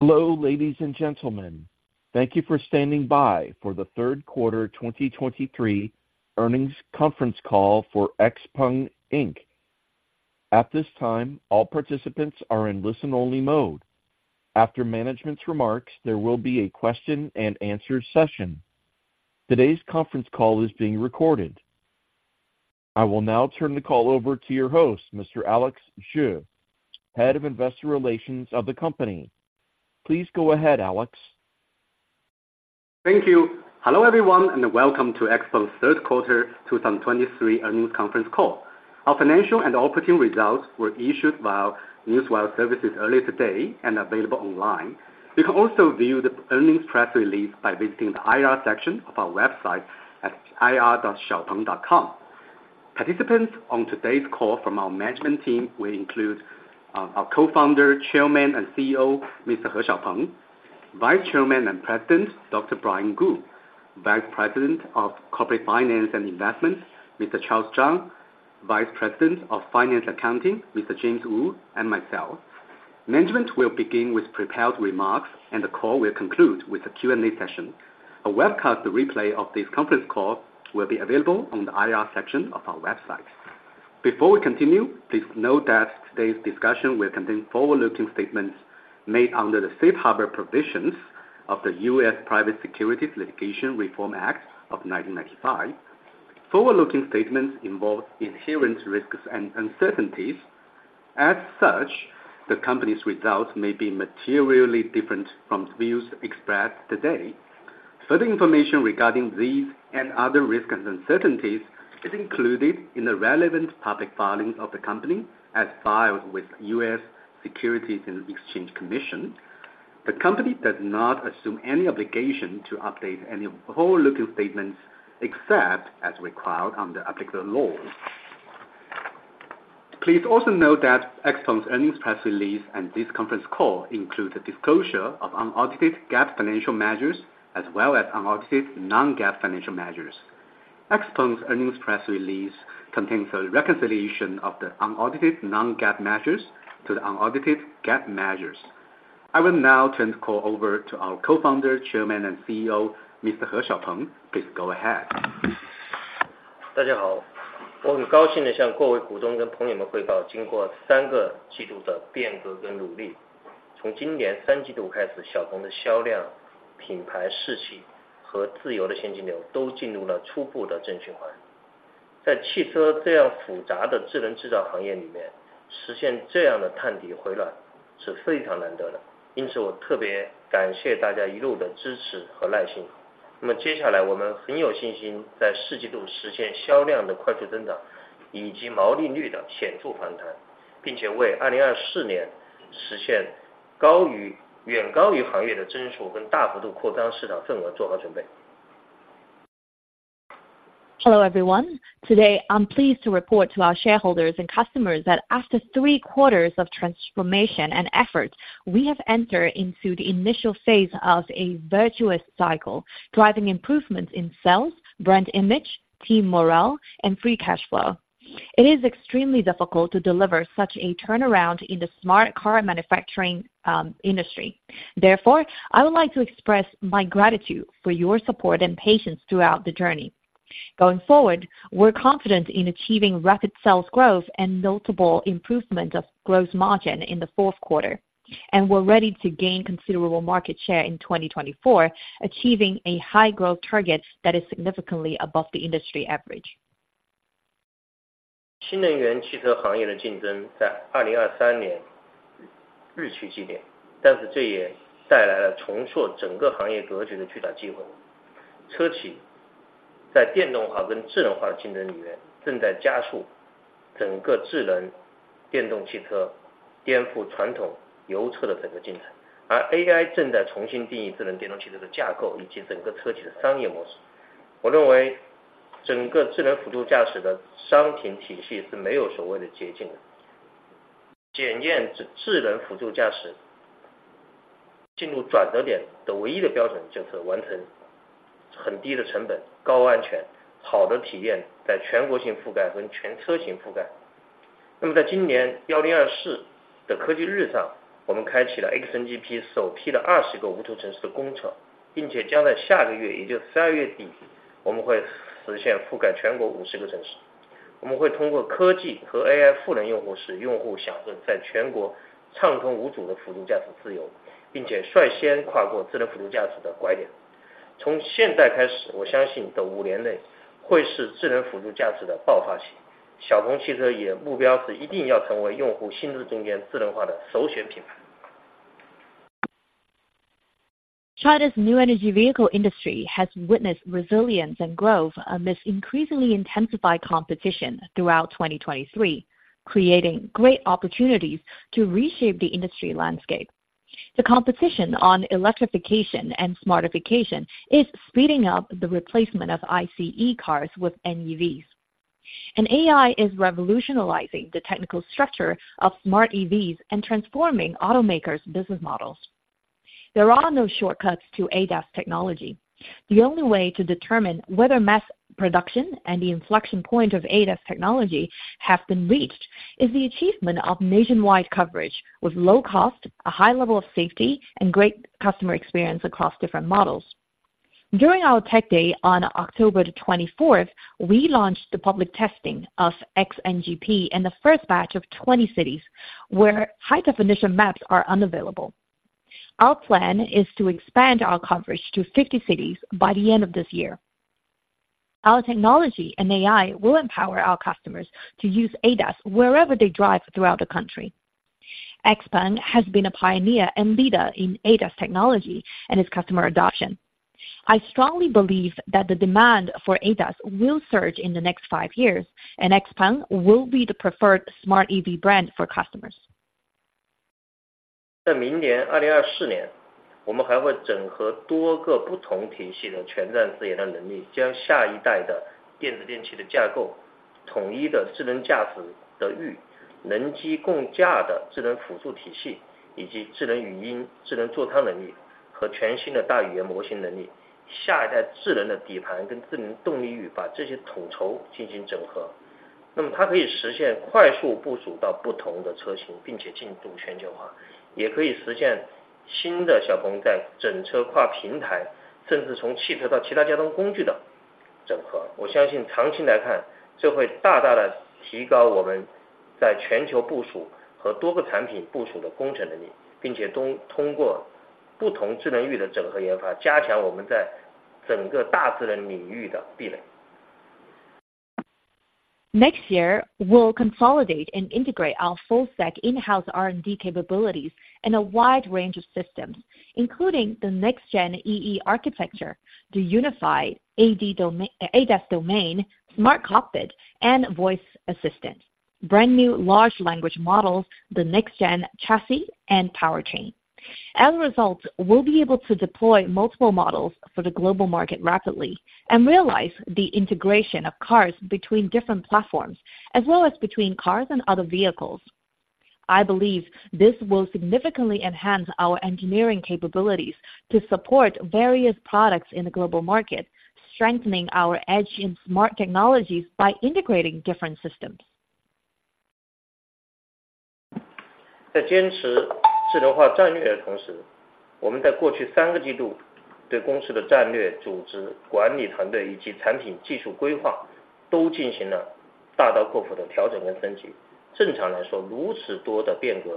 Hello, ladies and gentlemen. Thank you for standing by for the Q3 2023 earnings conference call for XPeng Inc. At this time, all participants are in listen-only mode. After management's remarks, there will be a question and answer session. Today's conference call is being recorded. I will now turn the call over to your host, Mr. Alex Xie, Head of Investor Relations of the company. Please go ahead, Alex. Thank you. Hello, everyone, and welcome to XPeng's Q3 2023 earnings conference call. Our financial and operating results were issued via Newswire services earlier today and available online. You can also view the earnings press release by visiting the IR section of our website at ir.xiaopeng.com. Participants on today's call from our management team will include our Co-founder, Chairman, and CEO, Mr. He Xiaopeng; Vice Chairman and President, Dr. Brian Gu; Vice President of Corporate Finance and Investment, Mr. Charles Zhang; Vice President of Finance Accounting, Mr. James Wu, and myself. Management will begin with prepared remarks, and the call will conclude with a Q&A session. A webcast replay of this conference call will be available on the IR section of our website. Before we continue, please note that today's discussion will contain forward-looking statements made under the Safe Harbor provisions of the U.S. Private Securities Litigation Reform Act of 1995. Forward-looking statements involve inherent risks and uncertainties. As such, the company's results may be materially different from views expressed today. Further information regarding these and other risks and uncertainties is included in the relevant public filings of the company as filed with U.S. Securities and Exchange Commission. The company does not assume any obligation to update any forward-looking statements, except as required under applicable laws. Please also note that XPeng's earnings press release and this conference call include the disclosure of unaudited GAAP financial measures as well as unaudited non-GAAP financial measures. XPeng's earnings press release contains a reconciliation of the unaudited non-GAAP measures to the unaudited GAAP measures. I will now turn the call over to our Co-founder, Chairman, and CEO, Mr. He Xiaopeng. Please go ahead. Hello, everyone. Today, I'm pleased to report to our shareholders and customers that after three quarters of transformation and effort, we have entered into the initial phase of a virtuous cycle, driving improvements in sales, brand image, team morale, and free cash flow. It is extremely difficult to deliver such a turnaround in the smart car manufacturing industry. Therefore, I would like to express my gratitude for your support and patience throughout the journey. Going forward, we're confident in achieving rapid sales growth and multiple improvement of gross margin in the Q4, and we're ready to gain considerable market share in 2024, achieving a high growth target that is significantly above the industry average. China's new energy vehicle industry has witnessed resilience and growth amidst increasingly intensified competition throughout 2023, creating great opportunities to reshape the industry landscape. The competition on electrification and smartification is speeding up the replacement of ICE cars with NEVs, and AI is revolutionizing the technical structure of smart EVs and transforming automakers' business models. There are no shortcuts to ADAS technology. The only way to determine whether mass production and the inflection point of ADAS technology have been reached is the achievement of nationwide coverage with low cost, a high level of safety, and great customer experience across different models.... During our Tech Day on October 24, we launched the public testing of XNGP in the first batch of 20 cities, where high-definition maps are unavailable. Our plan is to expand our coverage to 50 cities by the end of this year. Our technology and AI will empower our customers to use ADAS wherever they drive throughout the country. XPeng has been a pioneer and leader in ADAS technology and its customer adoption. I strongly believe that the demand for ADAS will surge in the next five years, and XPeng will be the preferred smart EV brand for customers. Next year, we'll consolidate and integrate our full stack in-house R&D capabilities in a wide range of systems, including the next-gen EE Architecture, the unified ADAS domain, smart cockpit and voice assistant, brand new large language models, the next-gen chassis and powertrain. As a result, we'll be able to deploy multiple models for the global market rapidly and realize the integration of cars between different platforms, as well as between cars and other vehicles. I believe this will significantly enhance our engineering capabilities to support various products in the global market, strengthening our edge in smart technologies by integrating different systems. While persisting with the intelligence strategy, in the past three quarters, we have undergone major adjustments and upgrades to the company's strategy, organization,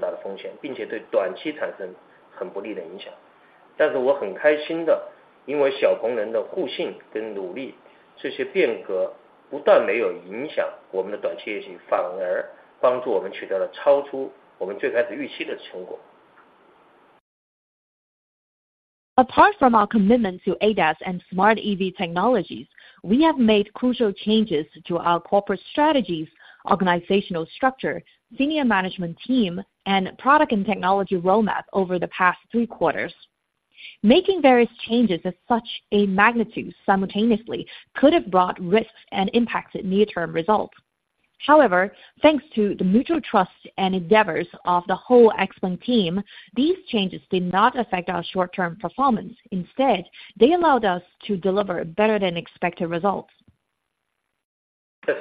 management team, and product technology planning. Normally, such significant changes, if they happen simultaneously, would pose a very high risk and have a very adverse impact on the short term. But I am very happy that because of the mutual trust and hard work of the XPeng team, these changes not only did not affect our short-term performance, but also helped us achieve results that exceeded our initial expectations. Apart from our commitment to ADAS and smart EV technologies, we have made crucial changes to our corporate strategies, organizational structure, senior management team, and product and technology roadmap over the past three quarters. Making various changes of such a magnitude simultaneously could have brought risks and impacted near-term results. However, thanks to the mutual trust and endeavors of the whole XPeng team, these changes did not affect our short-term performance. Instead, they allowed us to deliver better than expected results. In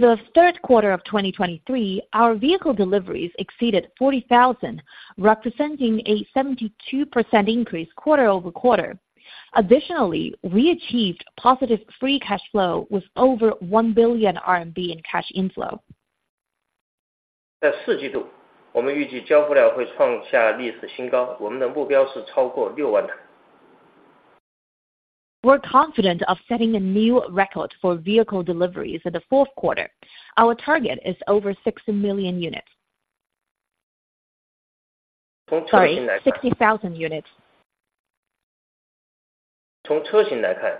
the Q3, our vehicle deliveries exceeded 40,000, representing a 72% increase quarter-over-quarter. Additionally, we achieved positive free cash flow with over 1 billion RMB in cash inflow. For the Q3 of 2023, our vehicle deliveries exceeded 40,000, representing a 72% increase quarter-over-quarter. Additionally, we achieved positive free cash flow with over 1 billion RMB in cash inflow. In the Q4, we expect vehicle deliveries to reach a new record high. Our target is over 60,000 units. We're confident of setting a new record for vehicle deliveries in the Q4. Our target is over 60,000 units Sorry, 60,000 units. In terms of models,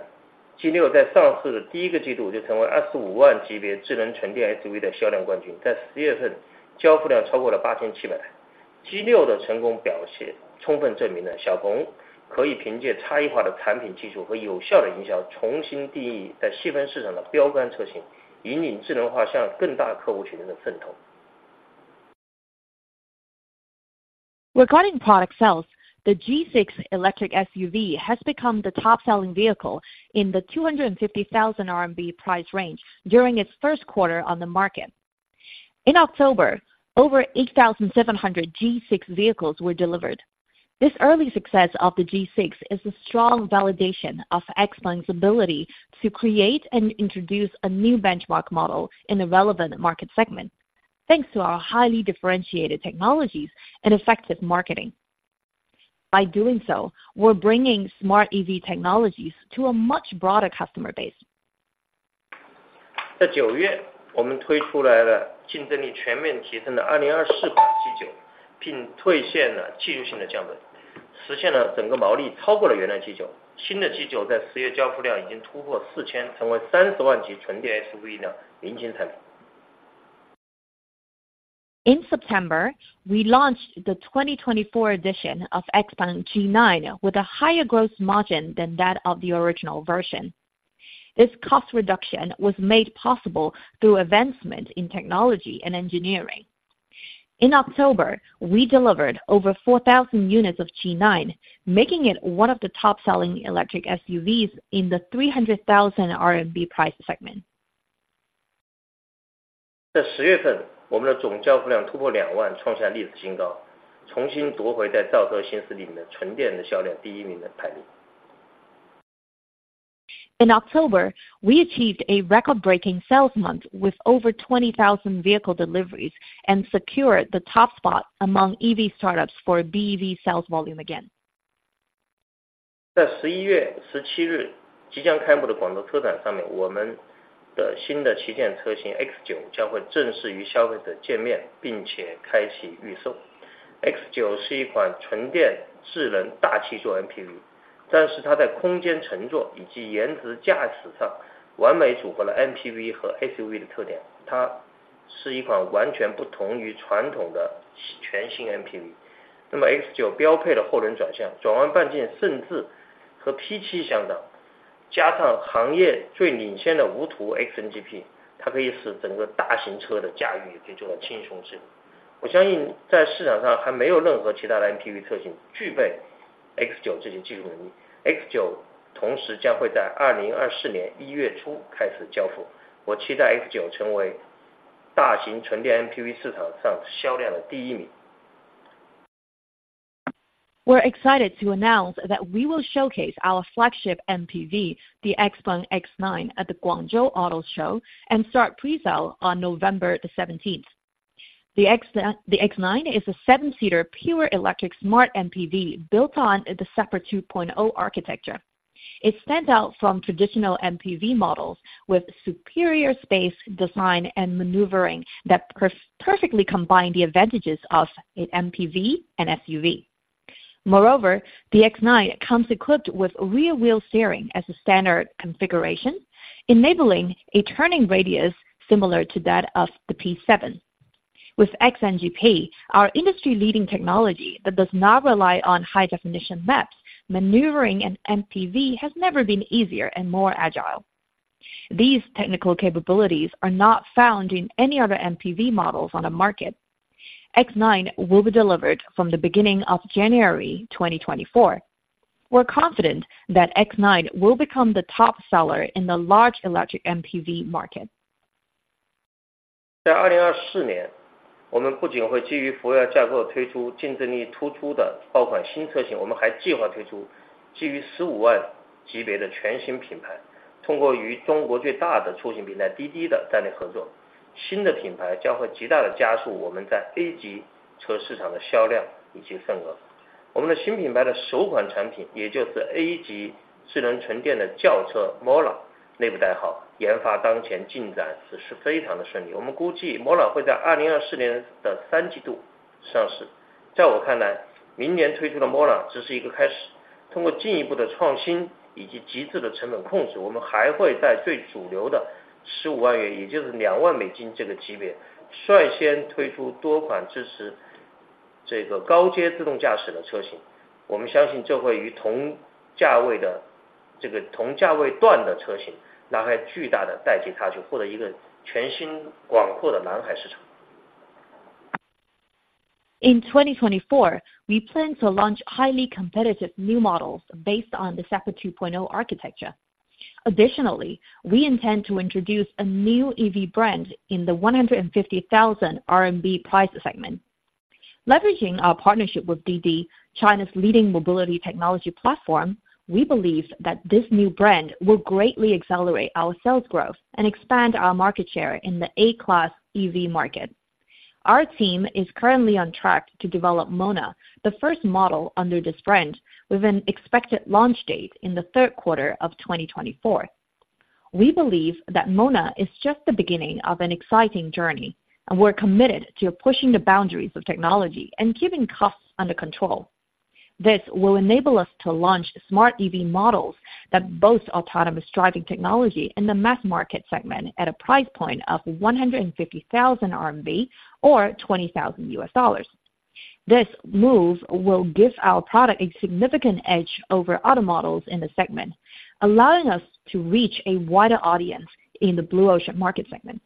the G6 became the sales champion of smart pure electric SUVs in the CNY 250,000 price range in its Q1 on the market. In October, deliveries exceeded 8,700. The successful performance of the G6 fully proves that XPeng can redefine the benchmark model in a sub-segment with highly differentiated product technology and effective marketing, leading the intelligence towards a larger customer base. Regarding product sales, the G6 electric SUV has become the top-selling vehicle in the 250,000 RMB price range during its Q1 on the market. In October, over 8,700 G6 vehicles were delivered. This early success of the G6 is a strong validation of XPeng's ability to create and introduce a new benchmark model in the relevant market segment, thanks to our highly differentiated technologies and effective marketing. By doing so, we're bringing smart EV technologies to a much broader customer base. In September, we launched the competitive, fully improved 2024 G9, and implemented technological advancements, achieving higher profitability than the original G9. The new G9's deliveries in October have already exceeded 4,000, becoming a popular product in the 30,000 level pure electric SUV market. In September, we launched the 2024 edition of XPeng G9, with a higher gross margin than that of the original version. This cost reduction was made possible through advancements in technology and engineering. In October, we delivered over 4,000 units of G9, making it one of the top-selling electric SUVs in the 300,000 RMB price segment. In October, we achieved a record-breaking sales month with over 20,000 vehicle deliveries and secured the top spot among EV startups for BEV sales volume again. We're excited to announce that we will showcase our flagship MPV, the XPeng X9, at the Guangzhou Auto Show, and start pre-sale on November 17th. The X9 is a 7-seater, pure electric smart MPV, built on the SEPA 2.0 architecture. It stands out from traditional MPV models with superior space, design, and maneuvering that perfectly combine the advantages of an MPV and SUV. Moreover, the X9 comes equipped with rear wheel steering as a standard configuration, enabling a turning radius similar to that of the P7. With XNGP, our industry-leading technology that does not rely on high-definition maps, maneuvering an MPV has never been easier and more agile. These technical capabilities are not found in any other MPV models on the market. X9 will be delivered from the beginning of January 2024. We're confident that X9 will become the top seller in the large electric MPV market. In 2024, we plan to launch highly competitive new models based on the SEPA 2.0 architecture. Additionally, we intend to introduce a new EV brand in the 150,000 RMB price segment. Leveraging our partnership with DiDi, China's leading mobility technology platform, we believe that this new brand will greatly accelerate our sales growth and expand our market share in the A-class EV market. Our team is currently on track to develop Mona, the first model under this brand, with an expected launch date in the Q3 of 2024. We believe that Mona is just the beginning of an exciting journey, and we're committed to pushing the boundaries of technology and keeping costs under control. This will enable us to launch smart EV models that boast autonomous driving technology in the mass market segment at a price point of 150,000 RMB or $20,000. This move will give our product a significant edge over other models in the segment, allowing us to reach a wider audience in the Blue Ocean market segment.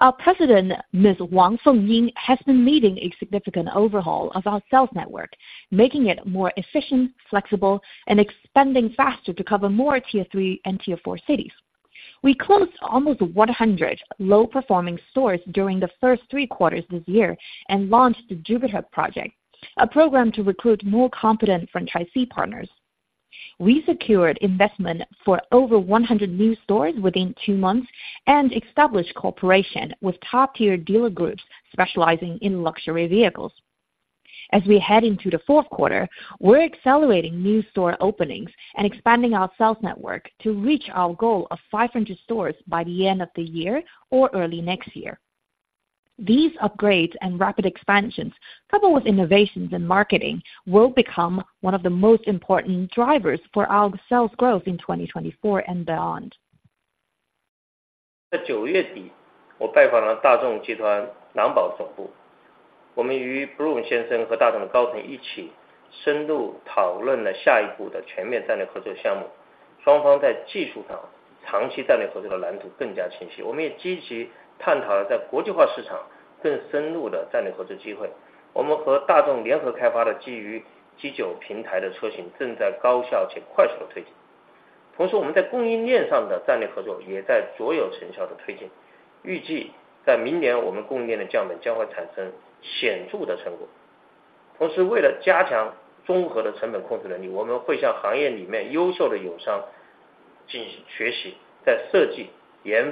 Our president, Ms. Wang Fengying, has been leading a significant overhaul of our sales network, making it more efficient, flexible, and expanding faster to cover more tier three and tier four cities... We closed almost 100 low-performing stores during the first three quarters this year, and launched the Jupiter Project, a program to recruit more competent franchisee partners. We secured investment for over 100 new stores within two months, and established cooperation with top-tier dealer groups specializing in luxury vehicles. As we head into the Q4, we're accelerating new store openings and expanding our sales network to reach our goal of 500 stores by the end of the year or early next year. These upgrades and rapid expansions, coupled with innovations in marketing, will become one of the most important drivers for our sales growth in 2024 and beyond. During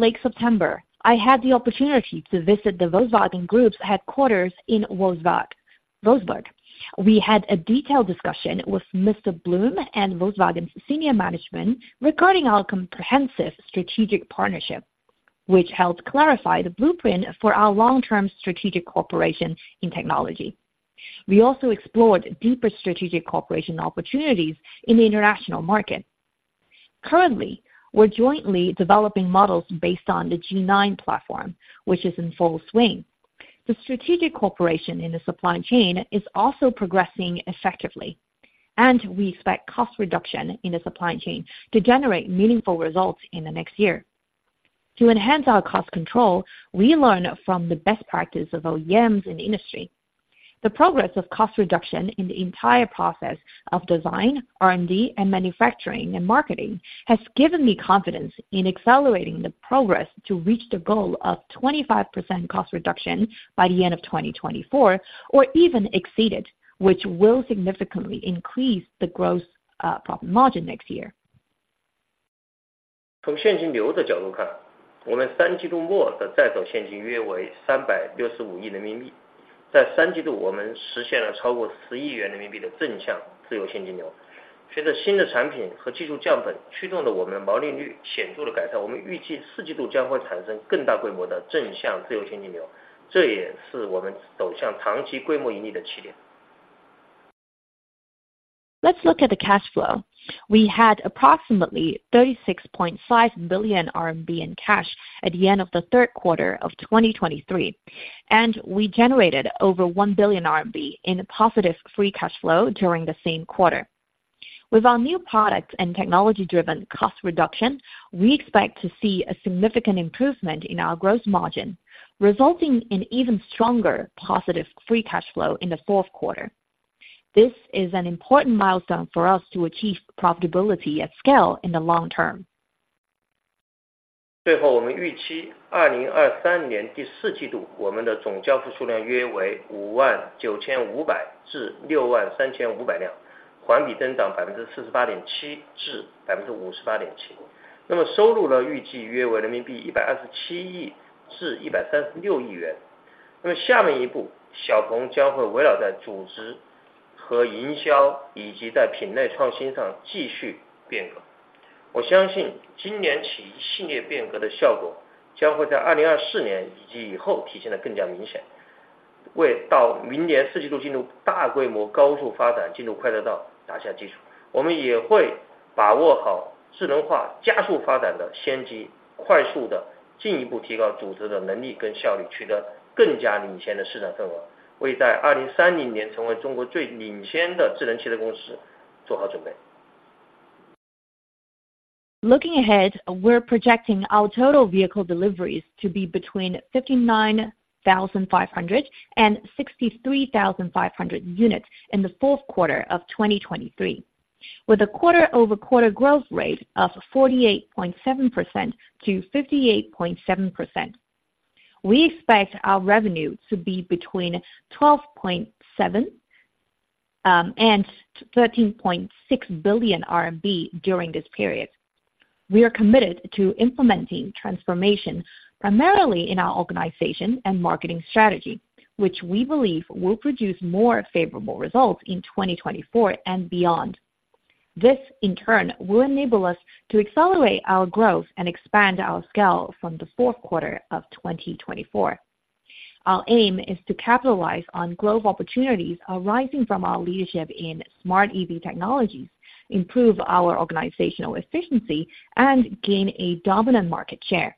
late September, I had the opportunity to visit the Volkswagen Group's headquarters in Wolfsburg. We had a detailed discussion with Mr. Blume and Volkswagen's senior management regarding our comprehensive strategic partnership, which helped clarify the blueprint for our long-term strategic cooperation in technology. We also explored deeper strategic cooperation opportunities in the international market. Currently, we're jointly developing models based on the G9 platform, which is in full swing. The strategic cooperation in the supply chain is also progressing effectively, and we expect cost reduction in the supply chain to generate meaningful results in the next year. To enhance our cost control, we learn from the best practice of OEMs in the industry. The progress of cost reduction in the entire process of design, R&D, and manufacturing and marketing, has given me confidence in accelerating the progress to reach the goal of 25% cost reduction by the end of 2024, or even exceed it, which will significantly increase the growth, profit margin next year. Let's look at the cash flow. We had approximately 36.5 billion RMB in cash at the end of the Q3 of 2023, and we generated over 1 billion RMB in positive free cash flow during the same quarter. With our new products and technology-driven cost reduction, we expect to see a significant improvement in our gross margin, resulting in even stronger positive free cash flow in the Q4. This is an important milestone for us to achieve profitability at scale in the long term. Looking ahead, we're projecting our total vehicle deliveries to be between 59,500 and 63,500 units in the Q4 of 2023, with a quarter-over-quarter growth rate of 48.7%-58.7%. We expect our revenue to be between 12.7 billion and 13.6 billion RMB during this period. We are committed to implementing transformation, primarily in our organization and marketing strategy, which we believe will produce more favorable results in 2024 and beyond. This, in turn, will enable us to accelerate our growth and expand our scale from the Q4 of 2024. Our aim is to capitalize on global opportunities arising from our leadership in smart EV technologies, improve our organizational efficiency, and gain a dominant market share....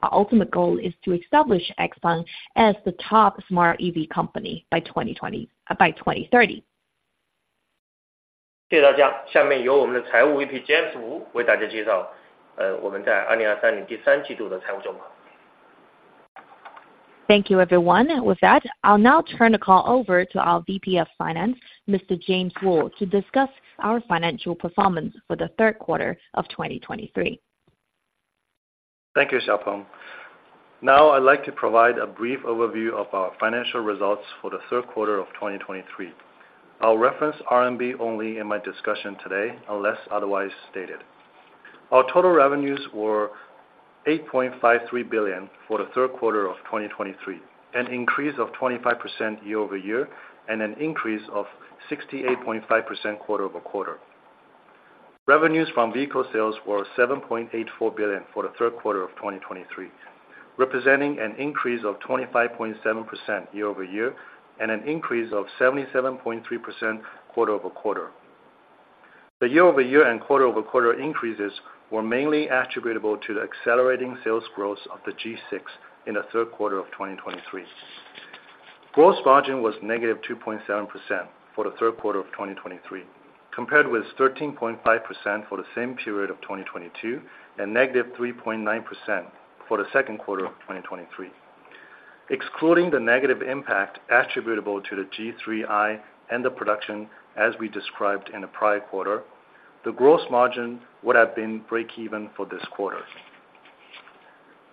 Our ultimate goal is to establish XPeng as the top smart EV company by 2020, by 2030. Thank you, everyone. With that, I'll now turn the call over to our VP of Finance, Mr. James Wu, to discuss our financial performance for the Q3 of 2023. Thank you, Xiaopeng. Now I'd like to provide a brief overview of our financial results for the Q3 of 2023. I'll reference RMB only in my discussion today, unless otherwise stated. Our total revenues were 8.53 billion for the Q3 of 2023, an increase of 25% year-over-year, and an increase of 68.5% quarter-over-quarter. Revenues from vehicle sales were 7.84 billion for the Q3 of 2023, representing an increase of 25.7% year-over-year, and an increase of 77.3% quarter-over-quarter. The year-over-year and quarter-over-quarter increases were mainly attributable to the accelerating sales growth of the G6 in the Q3 of 2023. Gross margin was negative 2.7% for the Q3 of 2023, compared with 13.5% for the same period of 2022, and negative 3.9% for the Q2 of 2023. Excluding the negative impact attributable to the G3i and the production as we described in the prior quarter, the gross margin would have been break even for this quarter.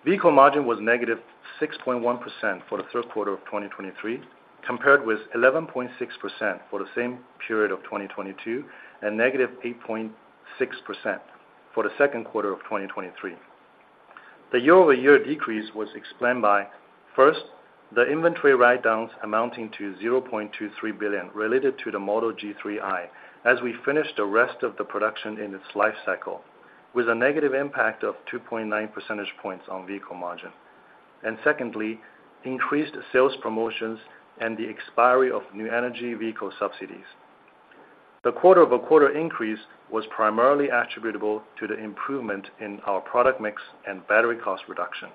Vehicle margin was negative 6.1% for the Q3 of 2023, compared with 11.6% for the same period of 2022, and negative 8.6% for the second quarter of 2023. The year-over-year decrease was explained by, first, the inventory write-downs amounting to 0.23 billion related to the model G3i, as we finished the rest of the production in its life cycle, with a negative impact of 2.9 percentage points on vehicle margin. And secondly, increased sales promotions and the expiry of new energy vehicle subsidies. The quarter-over-quarter increase was primarily attributable to the improvement in our product mix and battery cost reduction.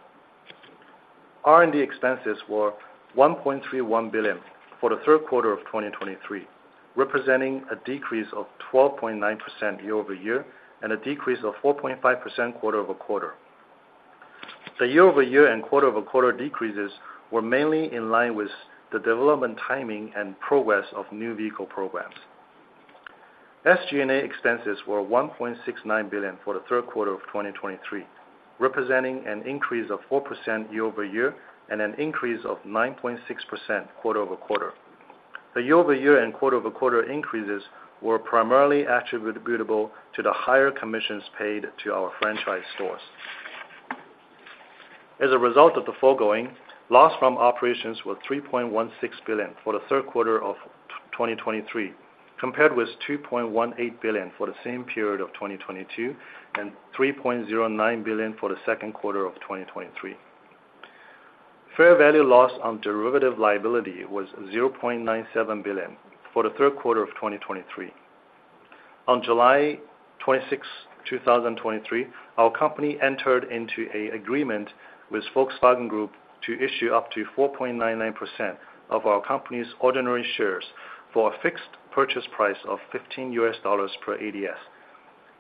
R&D expenses were 1.31 billion for the Q3 of 2023, representing a decrease of 12.9% year-over-year, and a decrease of 4.5% quarter-over-quarter. The year-over-year and quarter-over-quarter decreases were mainly in line with the development, timing, and progress of new vehicle programs. SG&A expenses were 1.69 billion for the Q3 of 2023, representing an increase of 4% year-over-year, and an increase of 9.6% quarter-over-quarter. The year-over-year and quarter-over-quarter increases were primarily attributable to the higher commissions paid to our franchise stores. As a result of the foregoing, loss from operations were 3.16 billion for the third quarter of 2023, compared with 2.18 billion for the same period of 2022, and 3.09 billion for the Q2 of 2023. Fair value loss on derivative liability was 0.97 billion for the Q3 of 2023. On July 26, 2023, our company entered into a agreement with Volkswagen Group to issue up to 4.99% of our company's ordinary shares for a fixed purchase price of $15 per ADS.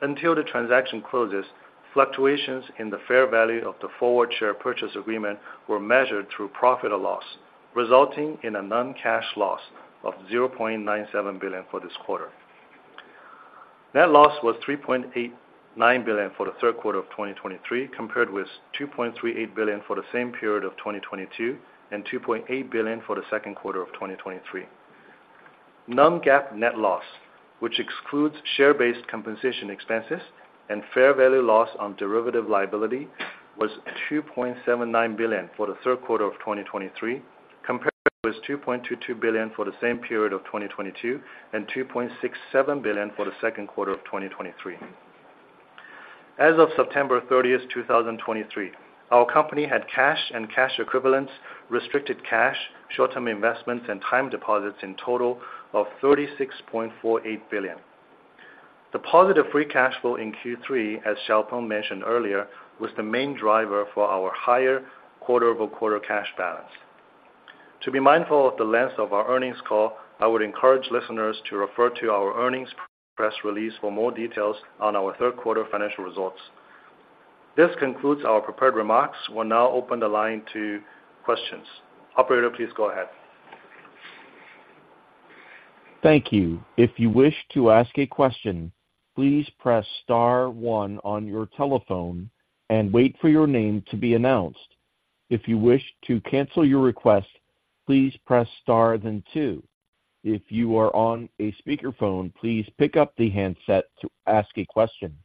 Until the transaction closes, fluctuations in the fair value of the forward share purchase agreement were measured through profit or loss, resulting in a non-cash loss of 0.97 billion for this quarter. Net loss was 3.89 billion for the Q3 of 2023, compared with 2.38 billion for the same period of 2022, and 2.8 billion for the Q2 of 2023. Non-GAAP net loss, which excludes share-based compensation expenses and fair value loss on derivative liability, was 2.79 billion for the Q3 of 2023, compared with 2.22 billion for the same period of 2022, and 2.67 billion for the Q2 of 2023. As of September 30, 2023, our company had cash and cash equivalents, restricted cash, short-term investments, and time deposits in total of 36.48 billion. The positive free cash flow in Q3, as Xiaopeng mentioned earlier, was the main driver for our higher quarter-over-quarter cash balance. To be mindful of the length of our earnings call, I would encourage listeners to refer to our earnings press release for more details on our Q3 financial results. This concludes our prepared remarks. We'll now open the line to questions. Operator, please go ahead. Thank you. If you wish to ask a question, please press star one on your telephone and wait for your name to be announced. If you wish to cancel your request, please press star, then two. If you are on a speakerphone, please pick up the handset to ask a question.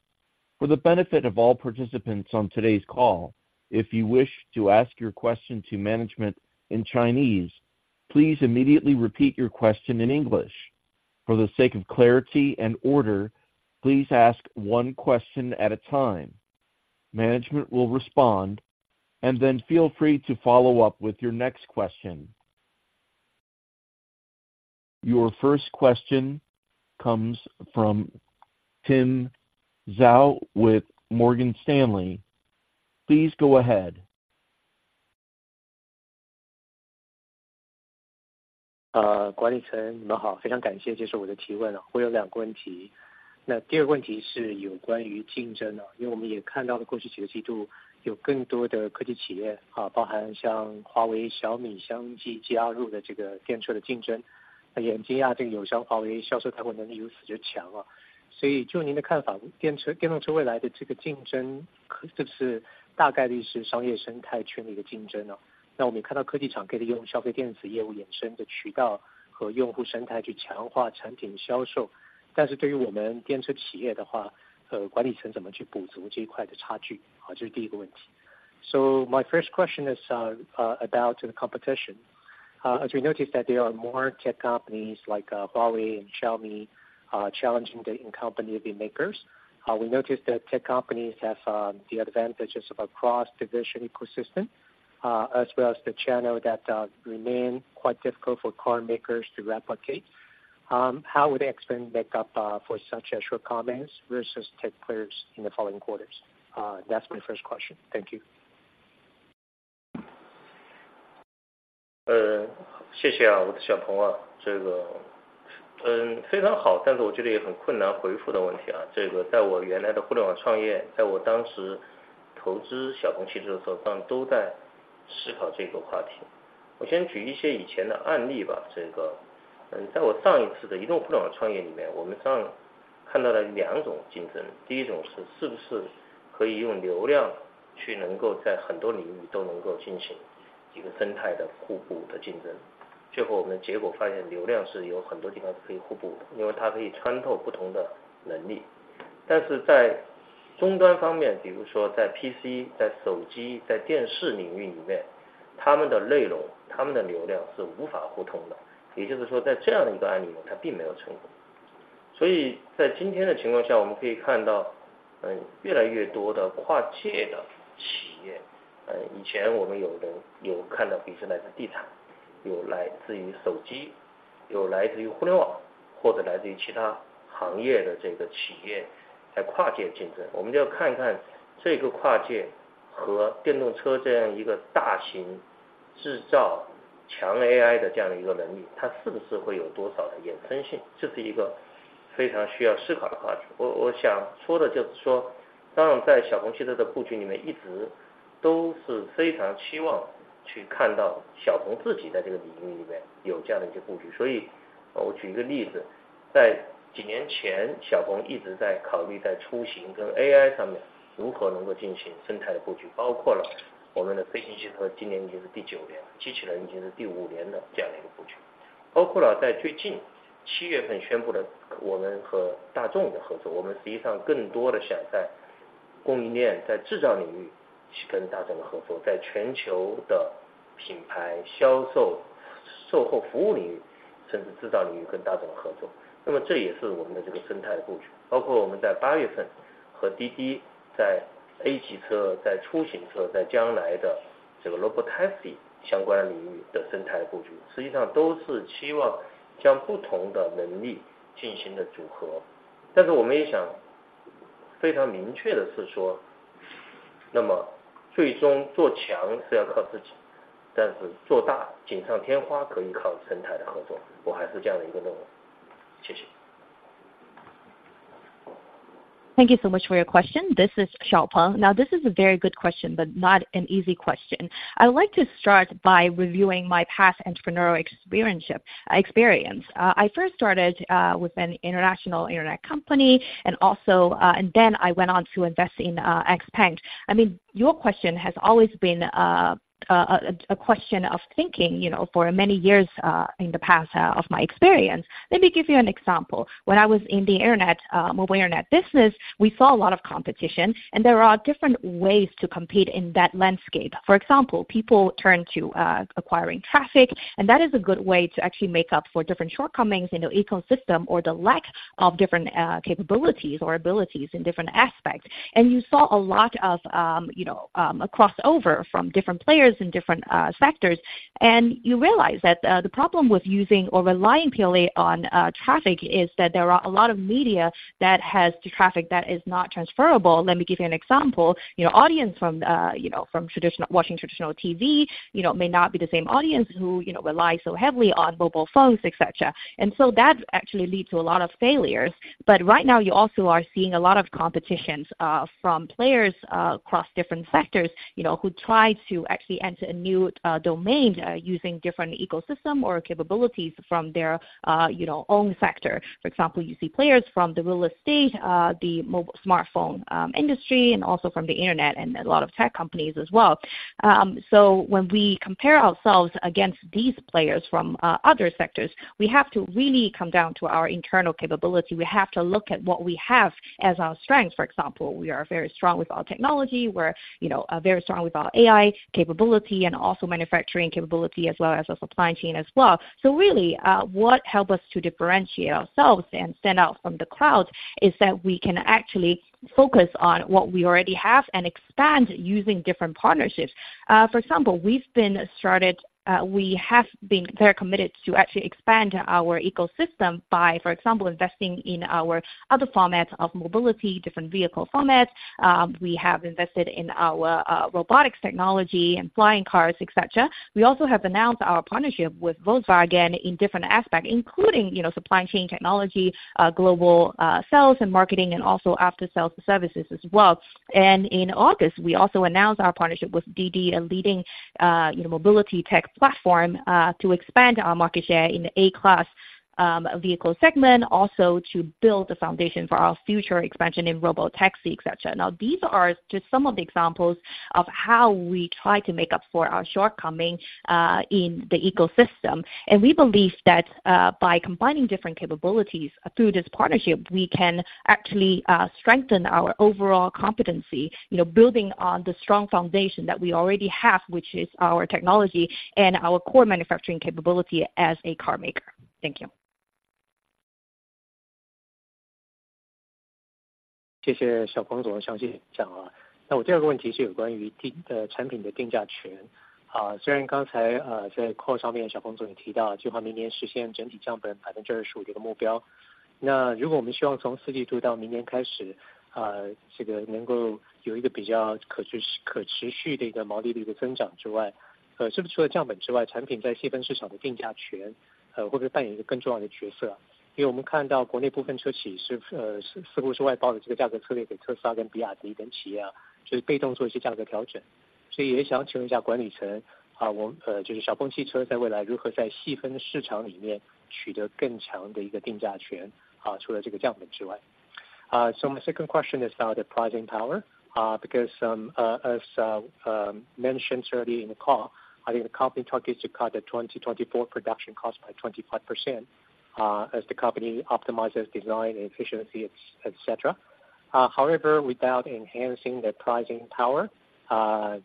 For the benefit of all participants on today's call, if you wish to ask your question to management in Chinese, please immediately repeat your question in English. For the sake of clarity and order, please ask one question at a time. Management will respond, and then feel free to follow up with your next question....Your first question comes from Tim Hsiao with Morgan Stanley. Please go ahead. So my first question is about the competition. As we notice that there are more tech companies like Huawei and Xiaomi challenging the incumbent EV makers. We noticed that tech companies have the advantages of a cross-division ecosystem as well as the channel that remain quite difficult for car makers to replicate. How would XPeng make up for such shortcomings versus tech players in the following quarters? That's my first question. Thank you. Thank you, my XPeng, this... Thank you so much for your question. This is Xiaopeng. Now, this is a very good question, but not an easy question. I'd like to start by reviewing my past entrepreneurial experience. I first started with an international internet company and also – and then I went on to invest in XPeng. I mean, your question has always been a question of thinking, you know, for many years in the past of my experience. Let me give you an example. When I was in the internet mobile internet business, we saw a lot of competition, and there are different ways to compete in that landscape. For example, people turn to acquiring traffic, and that is a good way to actually make up for different shortcomings in your ecosystem, or the lack of different capabilities or abilities in different aspects. And you saw a lot of, you know, a crossover from different players in different sectors. And you realize that the problem with using or relying purely on traffic is that there are a lot of media that has the traffic that is not transferable. Let me give you an example. You know, audience from, you know, from traditional watching traditional TV, you know, may not be the same audience who, you know, rely so heavily on mobile phones, etc. And so that actually leads to a lot of failures. But right now, you also are seeing a lot of competitions from players across different sectors, you know, who try to actually enter a new domain using different ecosystem or capabilities from their, you know, own sector. For example, you see players from the real estate, the mobile smartphone industry, and also from the internet, and a lot of tech companies as well. So when we compare ourselves against these players from other sectors, we have to really come down to our internal capability. We have to look at what we have as our strengths. For example, we are very strong with our technology; we're, you know, very strong with our AI capability and also manufacturing capability, as well as our supply chain as well. So really, what help us to differentiate ourselves and stand out from the crowd is that we can actually focus on what we already have and expand using different partnerships. For example, we have been very committed to actually expand our ecosystem by, for example, investing in our other formats of mobility, different vehicle formats. We have invested in our robotics technology and flying cars, etc. We also have announced our partnership with Volkswagen in different aspects, including, you know, supply chain technology, global sales and marketing, and also after sales services as well. And in August, we also announced our partnership with DiDi, a leading mobility tech platform, to expand our market share in the A-class vehicle segment, also to build the foundation for our future expansion in robotaxi, etc. Now, these are just some of the examples of how we try to make up for our shortcoming in the ecosystem. And we believe that by combining different capabilities through this partnership, we can actually strengthen our overall competency, you know, building on the strong foundation that we already have, which is our technology and our core manufacturing capability as a car maker. Thank you. 谢谢小鹏总详细讲啊。那我第二个问题是关于产品的定价权。好，虽然刚才在call上面，小鹏总也提到，计划明年实现整体降本25%这个目标，那如果我们希望从四季度到明年开始，这个能够有一个比较可持续的毛利率的增长之外，是不是除了降本之外，产品在细分市场的定价权，会不会扮演一个更重要的角色？因为我们看到国内部分车企是，似乎是外包的这个价格策略，给特斯拉跟比亚迪等企业，就是被动做一些价格调整。所以也想要请问一下管理层啊，我，就是小鹏汽车在未来如何在细分市场里面取得更强的一个定价权啊，除了这个降本之外。So my second question is about the pricing power, because, as mentioned early in the call, I think the company targets to cut the 2024 production cost by 25%, as the company optimizes design and efficiency, etc. However, without enhancing the pricing power,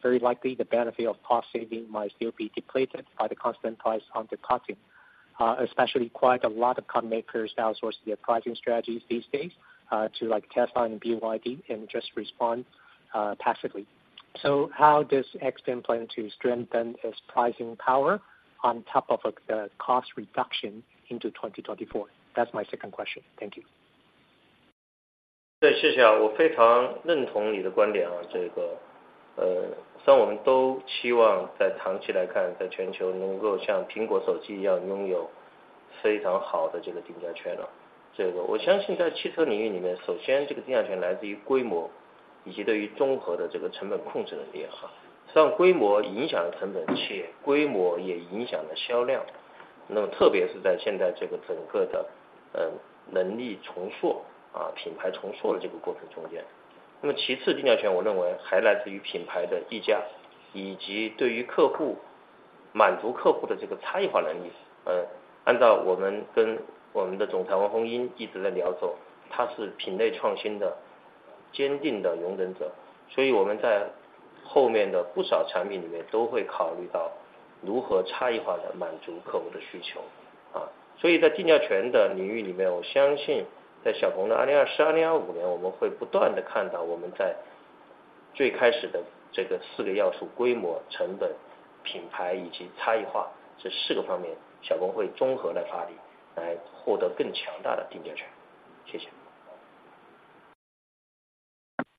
very likely the benefit of cost saving might still be depleted by the constant price cutting, especially quite a lot of car makers outsource their pricing strategies these days to like Tesla and BYD and just respond passively. So how does XPeng plan to strengthen its pricing power on top of a cost reduction into 2024? That's my second question. Thank you.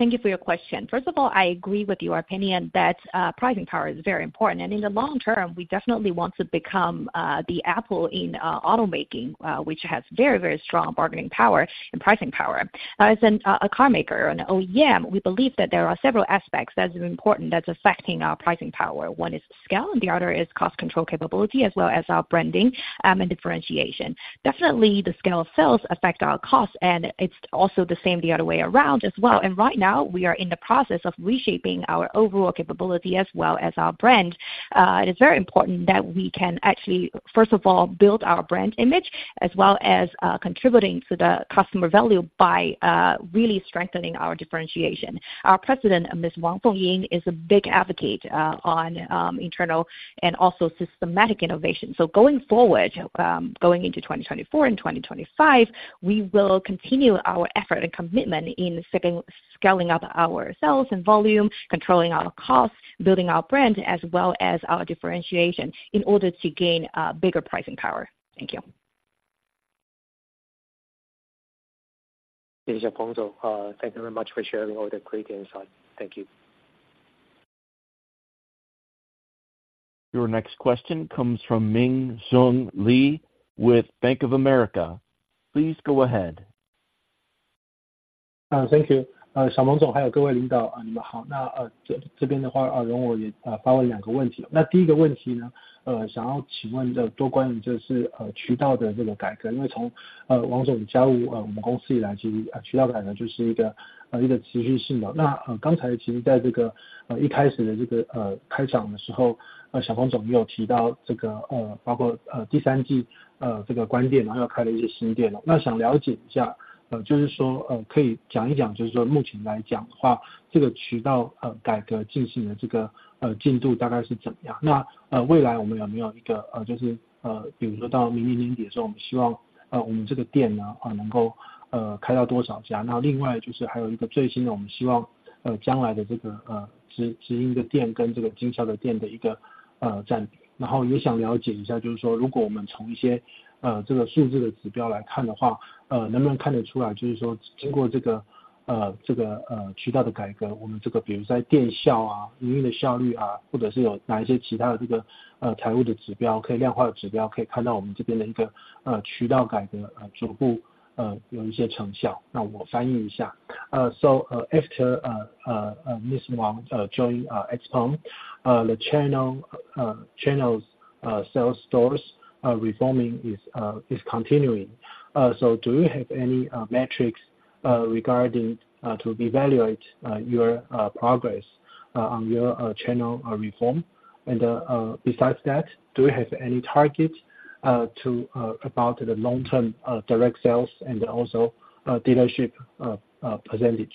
Thank you for your question. First of all, I agree with your opinion that pricing power is very important, and in the long term, we definitely want to become the Apple in automaking, which has very, very strong bargaining power and pricing power. As a car maker and OEM, we believe that there are several aspects that are important that's affecting our pricing power. One is scale, and the other is cost control capability as well as our branding and differentiation. Definitely, the scale of sales affect our costs, and it's also the same the other way around as well. Right now we are in the process of reshaping our overall capability as well as our brand. It is very important that we can actually, first of all, build our brand image as well as contributing to the customer value by really strengthening our differentiation. Our President, Ms. Wang Fengying, is a big advocate on internal and also systematic innovation. So going forward, going into 2024 and 2025, we will continue our effort and commitment in scaling up our sales and volume, controlling our costs, building our brand as well as our differentiation in order to gain a bigger pricing power. Thank you. Xie xie, Xiaopeng Zong. Thank you very much for sharing all the great insight. Thank you. Your next question comes from Ming-Hsun Lee with Bank of America. Please go ahead. Thank you. 小鹏总，还有各位领导，你们好，那，这边的话，容我也发问两个问题。那第一个问题呢，想要请问的，多关于就是，渠道的这个改革，因为从，王总加入，我们公司以来，其实，渠道改革就是一个，一个持续性的。那，刚才其实在这个，一开始的这个，开场的时候，小鹏总也有提到这个，包括，第三季，这个门店，然后开了一些新店了。那想了解一下，就是说，可以讲一讲，就是说目前来讲的话，这个渠道，改革进行的这个，进度大概是怎么样的，那，未来我们有没有一个，就是，比如说，到明年年底的时候，我们希望，我们这个店呢，能够，开到多少家？那另外就是还有一个最新的，我们希望，将来的这个，直营的店跟这个经销商的店的一个，占比。然后也想了解一下，就是说如果我们从一些，这个数字的指标来看的话，能不能看得出来，就是说经过这个，渠道的改革，我们这个比如在店效啊，运营的效率啊，或者是有哪些其他的这个，财务的指标，可以量化的指标，可以看到我们这边的一个，渠道改革，逐步，有一些成效。那我翻译一下，so after Miss Wang join XPeng the channel channels sales stores reforming is is continuing. So do you have any metrics regarding to evaluate your progress on your channel reform? Besides that, do you have any targets to about the long term, direct sales and also dealership, percentage?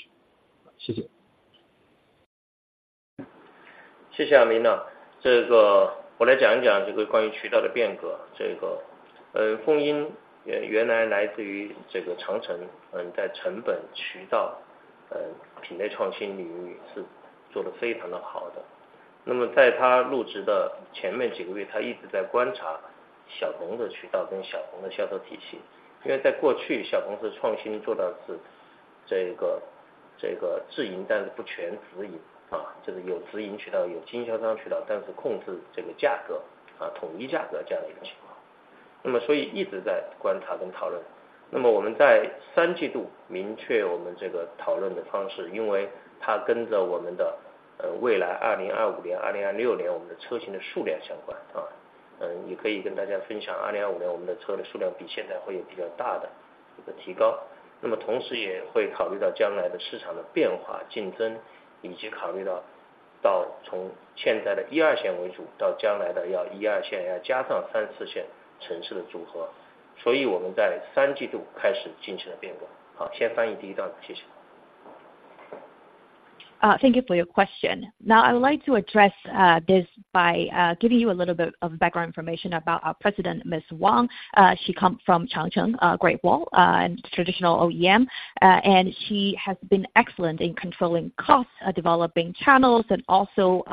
谢谢。谢谢啊，明娜。这个我来讲一讲这个关于渠道的变革，这个，凤英原本来自于这个长城，在成本渠道，品类创新领域是做得非常好的。那么在她入职的前面几个月，她一直观察小鹏的渠道跟小鹏的销售体系。因为在过去，小鹏是创新做到是这个，这个自营，但是不全直营，啊，这个有直营渠道，有经销商渠道，但是控制这个价格，啊，统一价格这样的一个情况。那么所以一直观察跟讨论。那么我们在三季度明确我们这个讨论的方式，因为它跟着我们的，未来2025年、2026年我们的车型的数量相关啊。嗯，也可以跟大家分享，2025年我们的车的数量比现在会有比较大的这个提高，那么同时也会考虑到未来的市场的变化、竞争，以及考虑到到从现在的 一二线为主，到未来的要一二线，要加上三四线城市的组合。所以我们在三季度开始进行了变革。好，先翻译第一段，谢谢。Thank you for your question. Now, I would like to address this by giving you a little bit of background information about our President Miss Wang. She come from 长城, Great Wall, and traditional OEM, and she has been excellent in controlling costs, developing channels and also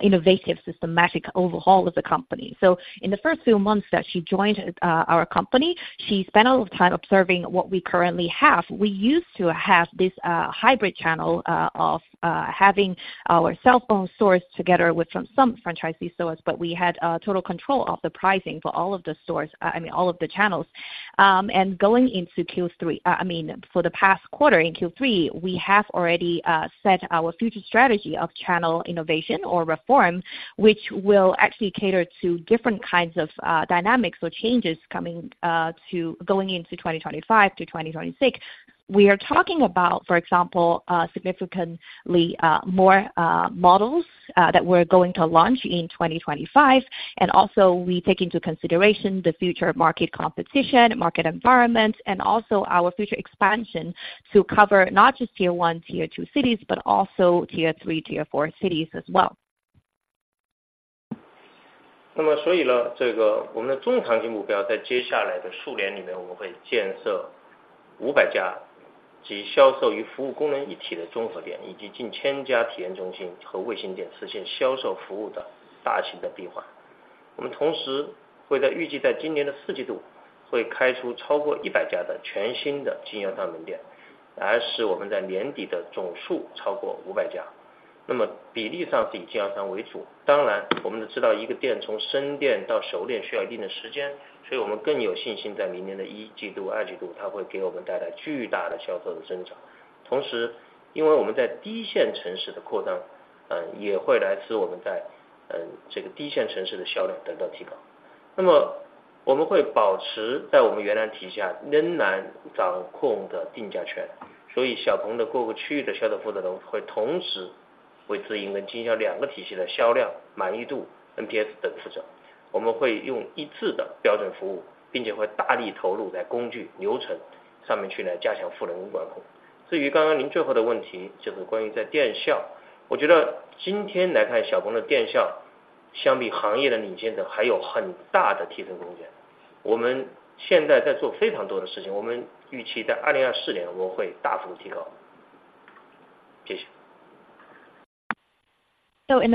innovative systematic overhaul of the company. So in the first few months that she joined our company, she spent a lot of time observing what we currently have. We used to have this, hybrid channel, of having our cell phone stores together with some franchisee stores, but we had a total control of the pricing for all of the stores, I mean all of the channels. And going into Q3, I mean for the past quarter, in Q3, we have already set our future strategy of channel innovation or reform, which will actually cater to different kinds of dynamics or changes coming to going into 2025 to 2026. We are talking about, for example, significantly more models that we're going to launch in 2025. And also we take into consideration the future market competition, market environment, and also our future expansion to cover not just tier one, tier two cities, but also tier three, tier four cities as well. 那么 So in the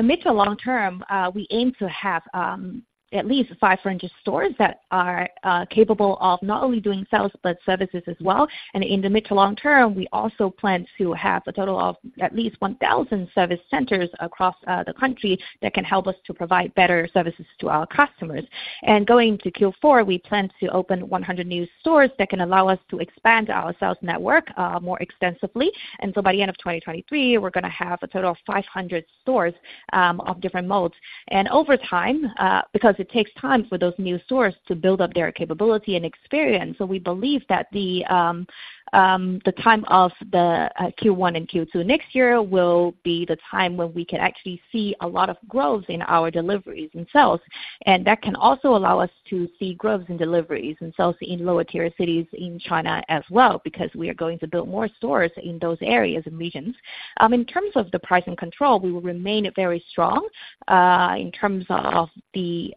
mid to long term, we aim to have at least 500 stores that are capable of not only doing sales but services as well. In the mid to long term, we also plan to have a total of at least 1,000 service centers across the country that can help us to provide better services to our customers. Going to Q4, we plan to open 100 new stores that can allow us to expand our sales network more extensively. So by the end of 2023, we're gonna have a total of 500 stores of different modes. Over time, because it takes time for those new stores to build up their capability and experience, so we believe that the time of the Q1 and Q2 next year will be the time when we can actually see a lot of growth in our deliveries and sales, and that can also allow us to see growth in deliveries and sales in lower tier cities in China as well, because we are going to build more stores in those areas and regions. In terms of the pricing control, we will remain very strong in terms of the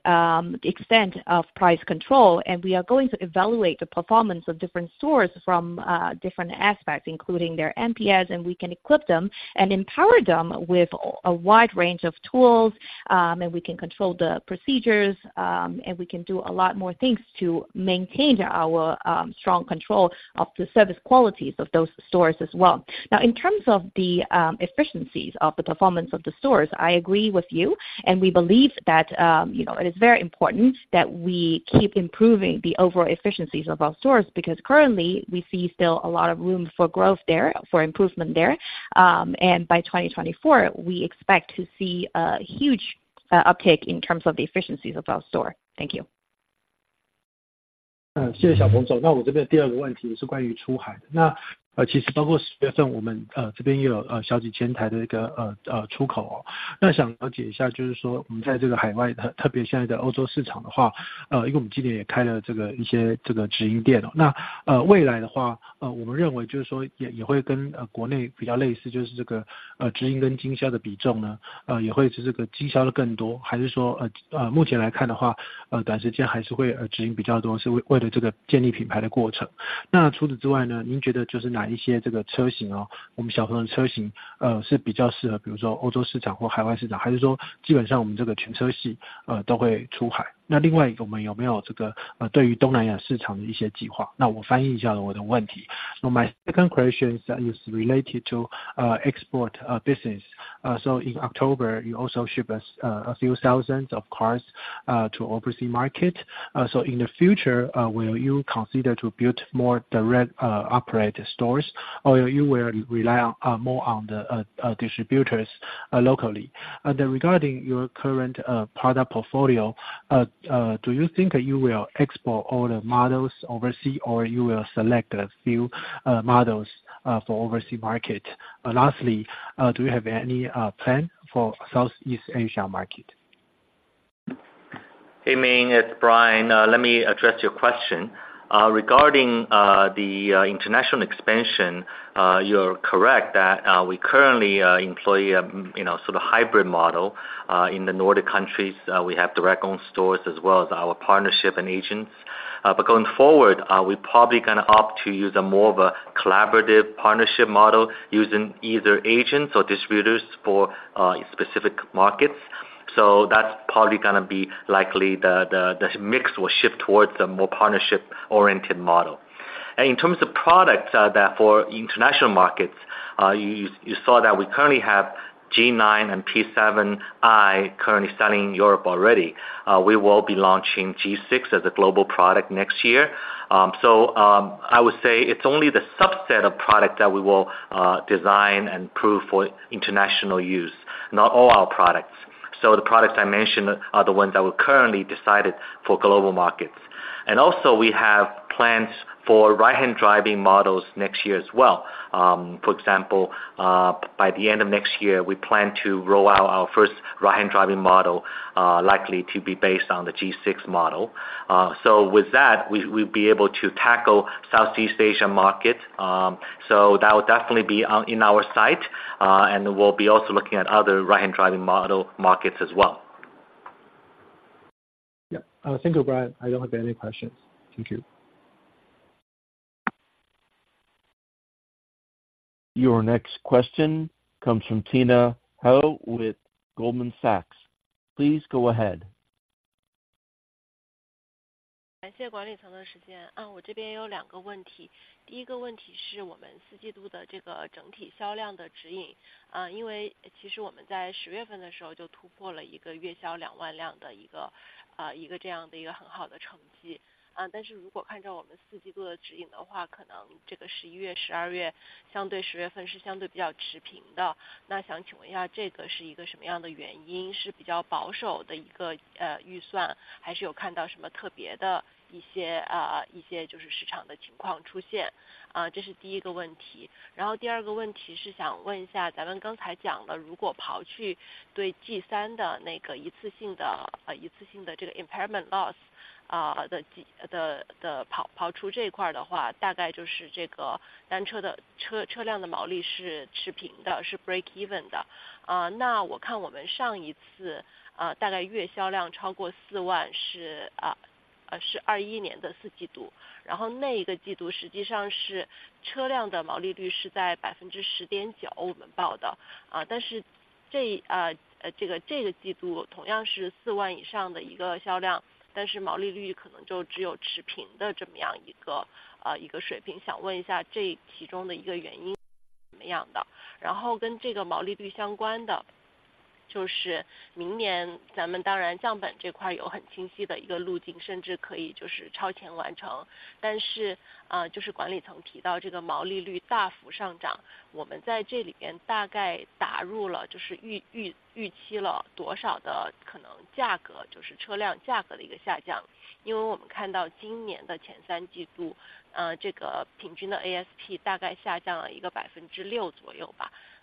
extent of price control, and we are going to evaluate the performance of different stores from different aspects, including their NPS, and we can equip them and empower them with a wide range of tools, and we can control the procedures, and we can do a lot more things to maintain our strong control of the service qualities of those stores as well. Now, in terms of the efficiencies of the performance of the stores, I agree with you, and we believe that, you know, it is very important that we keep improving the overall efficiencies of our stores, because currently we see still a lot of room for growth there, for improvement there. And by 2024, we expect to see a huge uptake in terms of the efficiencies of our store. Thank you. Let me translate my question. My second question is that is related to export business. So in October, you also ship us a few thousands of cars to overseas market. So in the future, will you consider to build more the direct operator stores, or you will rely on more on the distributor locally? And then regarding your current product portfolio, do you think you will export all the models overseas, or you will select a few models for overseas market? And lastly, do you have any plan for Southeast Asia market? Ming, it's Brian. Let me address your question. Regarding the international expansion, you're correct that we currently employ, you know, sort of hybrid model in the Nordic countries. We have direct-owned stores as well as our partnerships and agents. But going forward, we probably gonna opt to use more of a collaborative partnership model, using either agents or distributors for specific markets, so that's probably gonna be likely the mix will shift towards a more partnership-oriented model. And in terms of products for international markets, you saw that we currently have G9 and P7i currently selling in Europe already. We will be launching G6 as a global product next year. So I would say it's only the subset of product that we will design and prove for international use, not all our products. So the products I mentioned are the ones that we're currently decided for global markets. And also we have plans for right-hand drive models next year as well. For example, by the end of next year, we plan to roll out our first right-hand drive model, likely to be based on the G6 model. So with that, we'll be able to tackle Southeast Asia markets, so that will definitely be in our sights, and we'll be also looking at other right-hand drive model markets as well. Brian. I don't have any questions. Thank you. Your next question comes from Tina Hou with Goldman Sachs. Please go ahead. Thank you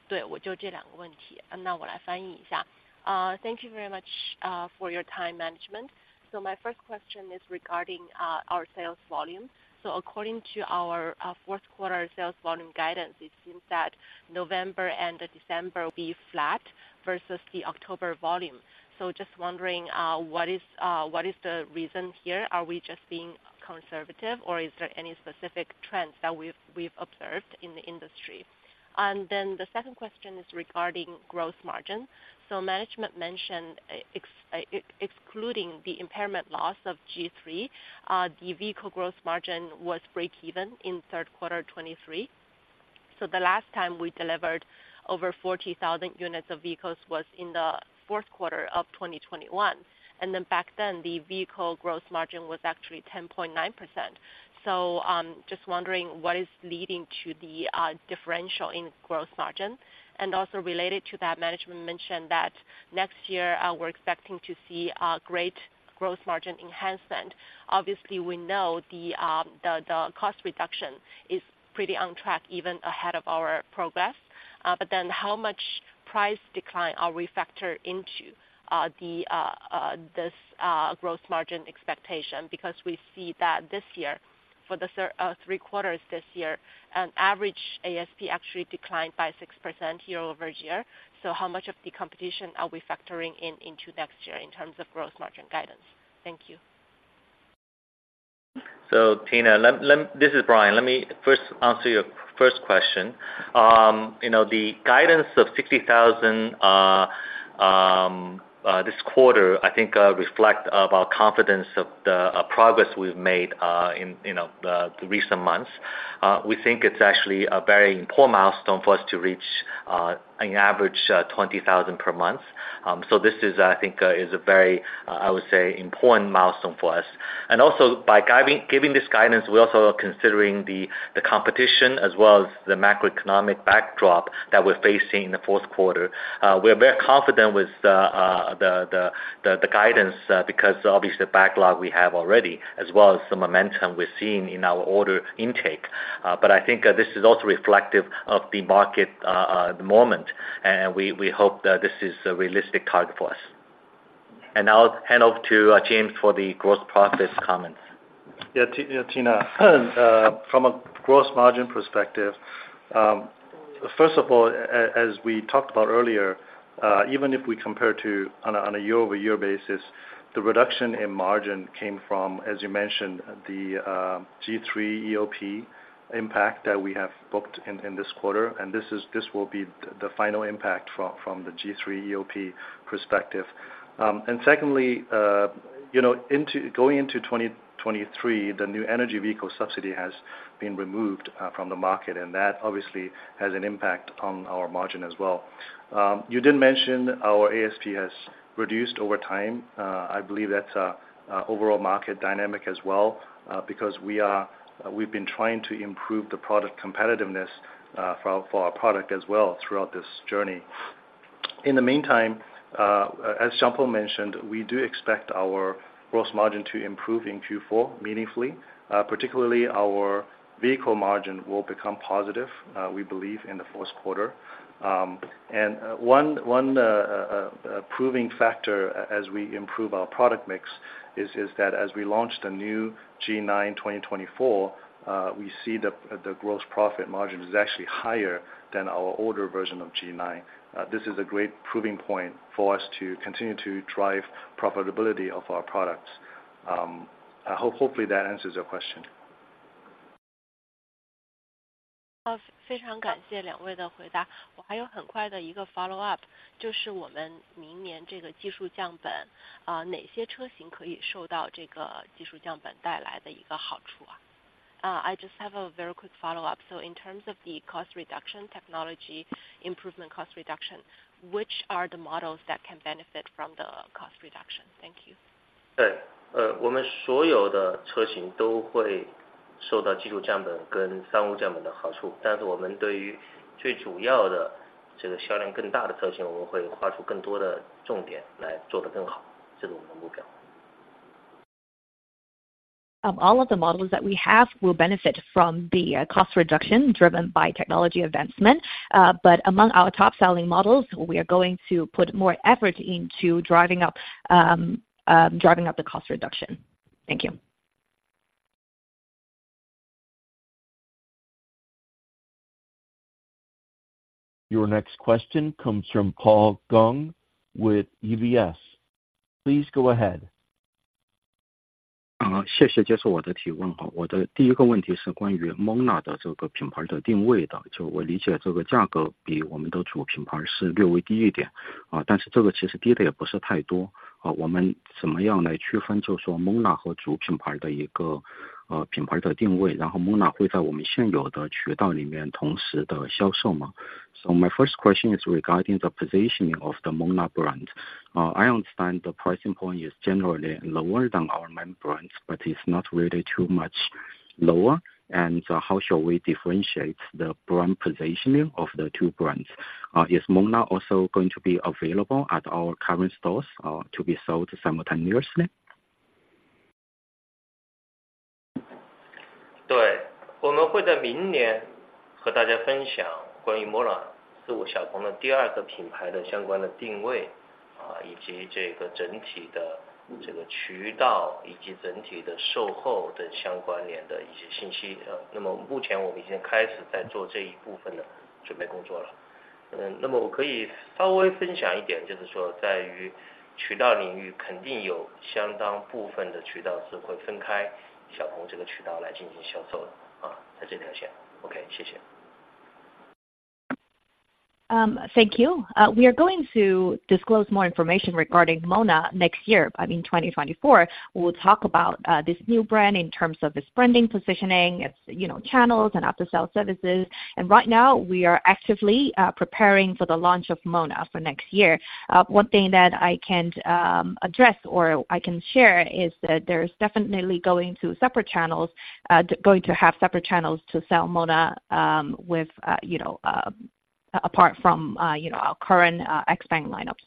very much for management's time. So my first question is regarding our sales volume. So according to our Q4 sales volume guidance, it seems that November and December will be flat versus the October volume. So just wondering what is the reason here? Are we just being conservative or is there any specific trends that we've observed in the industry? And then the second question is regarding gross margin, so management mentioned excluding the impairment loss of G3, the vehicle gross margin was break even in Q3 2023, so the last time we delivered over 40,000 units of vehicles was in the Q4 of 2021, and then back then the vehicle gross margin was actually 10.9%. So, just wondering what is leading to the differential in gross margin? And also related to that, management mentioned that next year, we're expecting to see a greater gross margin enhancement. Obviously, we know the cost reduction is pretty on track, even ahead of our progress. But then how much price decline are we factored into this growth margin expectation? Because we see that this year, for the three quarters this year, an average ASP actually declined by 6% year-over-year. So how much of the competition are we factoring into next year in terms of gross margin guidance? Thank you. So Tina, this is Brian. Let me first answer your first question. You know, the guidance of 60,000 this quarter, I think reflect of our confidence of the progress we've made in you know the recent months. We think it's actually a very important milestone for us to reach an average 20,000 per month. So this is I think is a very I would say important milestone for us. And also by guiding, giving this guidance, we also are considering the competition as well as the macroeconomic backdrop that we're facing in the Q4. We're very confident with the guidance because obviously the backlog we have already as well as the momentum we're seeing in our order intake. But I think this is also reflective of the market at the moment, and we hope that this is a realistic target for us. And now I'll hand off to James for the gross profit comments. Yeah, Tina, from a gross margin perspective, first of all, as we talked about earlier, even if we compare to on a year-over-year basis, the reduction in margin came from, as you mentioned, the G3 EOP impact that we have booked in this quarter. And this will be the final impact from the G3 EOP perspective. And secondly, you know, going into 2023, the new energy vehicle subsidy has been removed from the market, and that obviously has an impact on our margin as well. You did mention our ASP has reduced over time. I believe that's a overall market dynamic as well, because we are, we've been trying to improve the product competitiveness for our product as well throughout this journey. In the meantime, as Xiaopeng mentioned, we do expect our gross margin to improve in Q4 meaningfully. Particularly our vehicle margin will become positive, we believe in the Q4. And a proving factor as we improve our product mix is that, as we launch the new G9 2024, we see the gross profit margin is actually higher than our older version of G9. This is a great proving point for us to continue to drive profitability of our products. Hopefully that answers your question. I just have a very quick follow-up. So in terms of the cost reduction, technology improvement cost reduction, which are the models that can benefit from the cost reduction? Thank you. All of the models that we have will benefit from the cost reduction driven by technology advancement. But among our top-selling models, we are going to put more effort into driving up the cost reduction. Thank you. Your next question comes from Paul Gong with UBS. Please go ahead. My first question is regarding the positioning of the Mona brand. I understand the pricing point is generally lower than our main brands, but it's not really too much lower. And so how shall we differentiate the brand positioning of the two brands? Is Mona also going to be available at our current stores, to be sold simultaneously? Thank you. We are going to disclose more information regarding Mona next year, I mean, 2024. We'll talk about this new brand in terms of its branding, positioning, its, you know, channels and after-sale services. And right now, we are actively preparing for the launch of Mona for next year. One thing that I can address or I can share is that there's definitely going to have separate channels to sell Mona, with, you know, ... apart from, you know, our current, expanding lineups.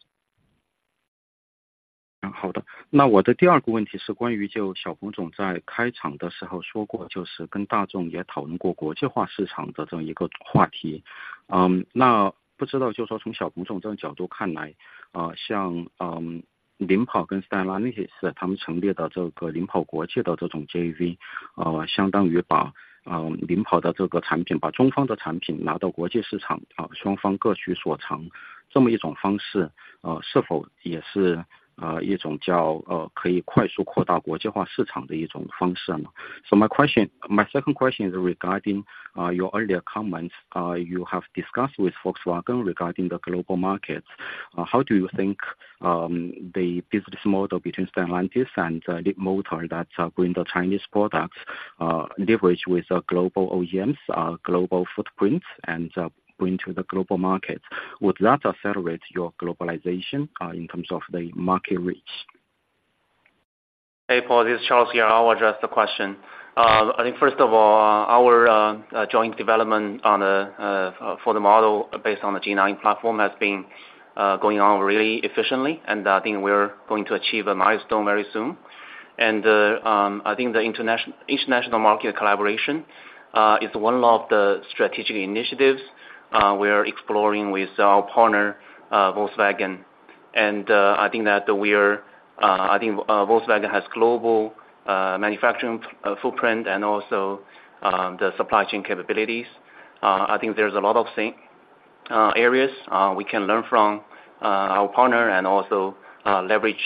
好的，那我的第二个问题是关于就小鹏总在开场的时候说过，就是跟大众也讨论过国际化市场的这么一个话题。那不知道，就说从小鹏总这个角度看来，像领跑跟斯塔拉那些事，他们成立的这个领跑国际的这种JV，相当于把领跑的这个产品，把中方的产品拿到国际市场，双方各取所长，这么一种方式，是否也是一种可以快速扩大国际化市场的一种方式呢？ So my question, my second question is regarding your earlier comments. You have discussed with Volkswagen regarding the global markets. How do you think the business model between Stellantis and Leapmotor that's going the Chinese products leverage with a global OEMs, global footprints and going to the global markets, would that accelerate your globalization in terms of the market reach? Hey, Paul, this is Charles here. I'll address the question. I think first of all, our joint development on the for the model based on the G9 platform has been going on really efficiently, and I think we're going to achieve a milestone very soon. And I think the international market collaboration is one of the strategic initiatives we are exploring with our partner, Volkswagen. And I think that we are, I think Volkswagen has global manufacturing footprint and also the supply chain capabilities. I think there's a lot of things, areas we can learn from our partner and also leverage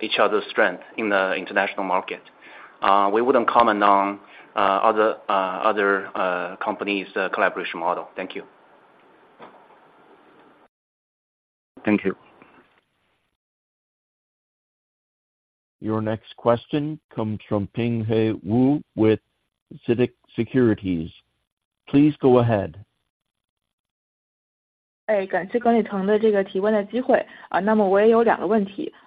each other's strength in the international market. We wouldn't comment on other companies' collaboration model. Thank you. Thank you。Your next question come from Bin Wang with CITIC Securities. Please go ahead.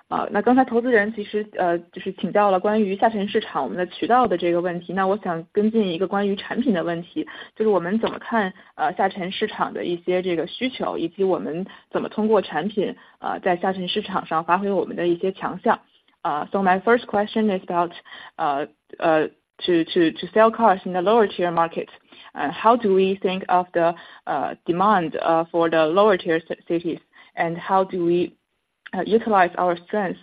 感谢管理层的这个提问的机会。那么我也有两个问题。那刚才投资者其实，就是请教了关于下沉市场我们的渠道的这个问题，那我想跟进一个关于产品的提问，就是我们怎么看，下沉市场的一些需求，以及我们怎么通过产品，在下沉市场上发挥我们的一些强项。So my first question is about to sell cars in the lower tier markets. How do we think of the demand for the lower tier cities? How do we utilize our strengths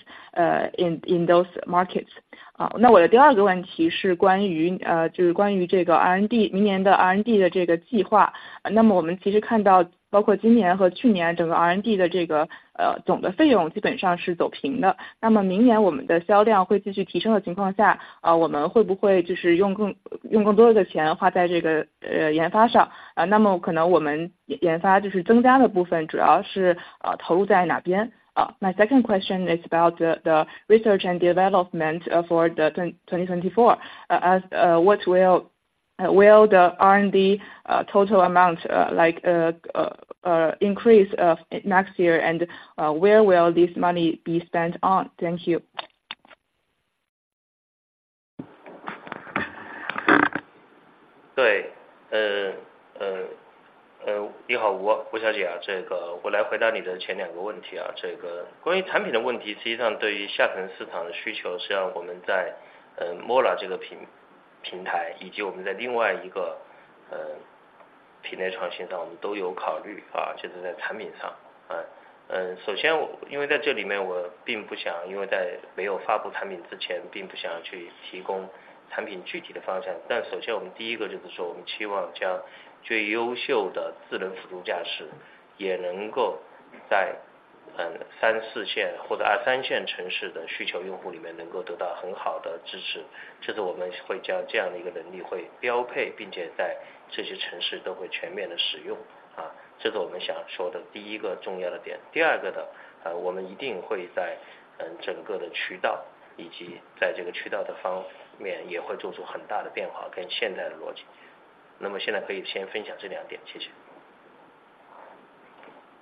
in those markets? 好，那我的第二个问题是关于这个R&D，明年的R&D的这个计划。那么我们其实看到，包括今年和去年，整个R&D的这个，总的费用基本上是走平的，那么明年我们的销量会继续提升的情况下，我们会不会就是用更多，用更多的钱花在这个研发上，那么可能我们研发就是增加的部分，主要是投入在哪边？My second question is about the research and development for 2024, as what will the R&D total amount like increase of next year and where will this money be spent on? Thank you.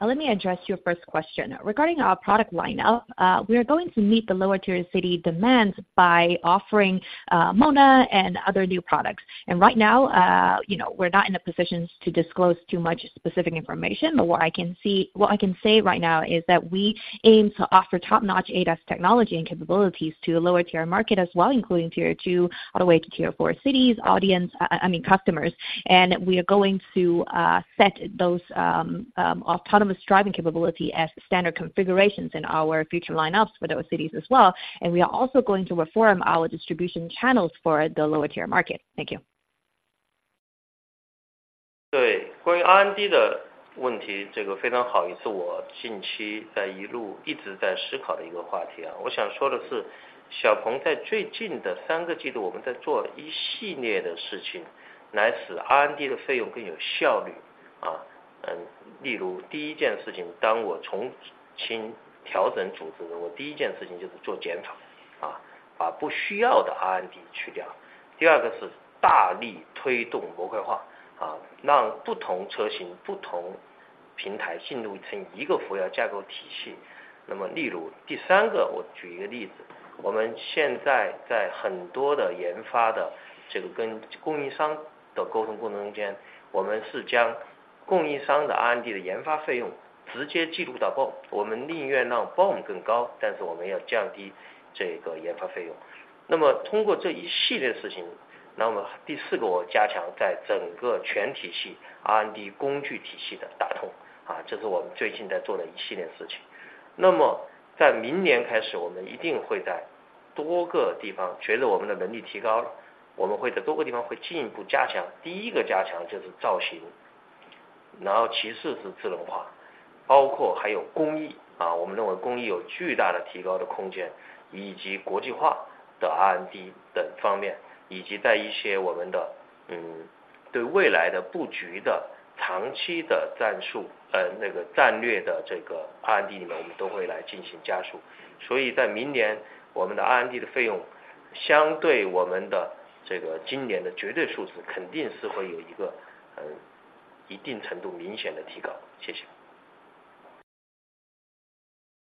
Let me address your first question regarding our product line up. We are going to meet the lower tier city demands by offering Mona and other new products. And right now, you know, we're not in a position to disclose too much specific information, but what I can see, what I can say right now is that we aim to offer top notch ADS technology and capabilities to a lower tier market as well, including tier two all the way to tier four cities audience, I mean customers, and we are going to set those autonomous driving capability as standard configurations in our future lineups for those cities as well. And we are also going to reform our distribution channels for the lower tier market. Thank you. 对，关于 R&D 的问题，这个非常好，也是我近期在一路一直思考的一个话题啊。我想说的是，小鹏在最近的三个季度，我们在做一系列的事情来使 R&D 的费用更有效率啊。例如第一件事情，当我重新调整组织的时候，第一件事情就是做减法，啊，把不必要的 R&D 去掉。第二是大力推动模块化，啊，让不同车型、不同平台进入一个扶摇架构体系。...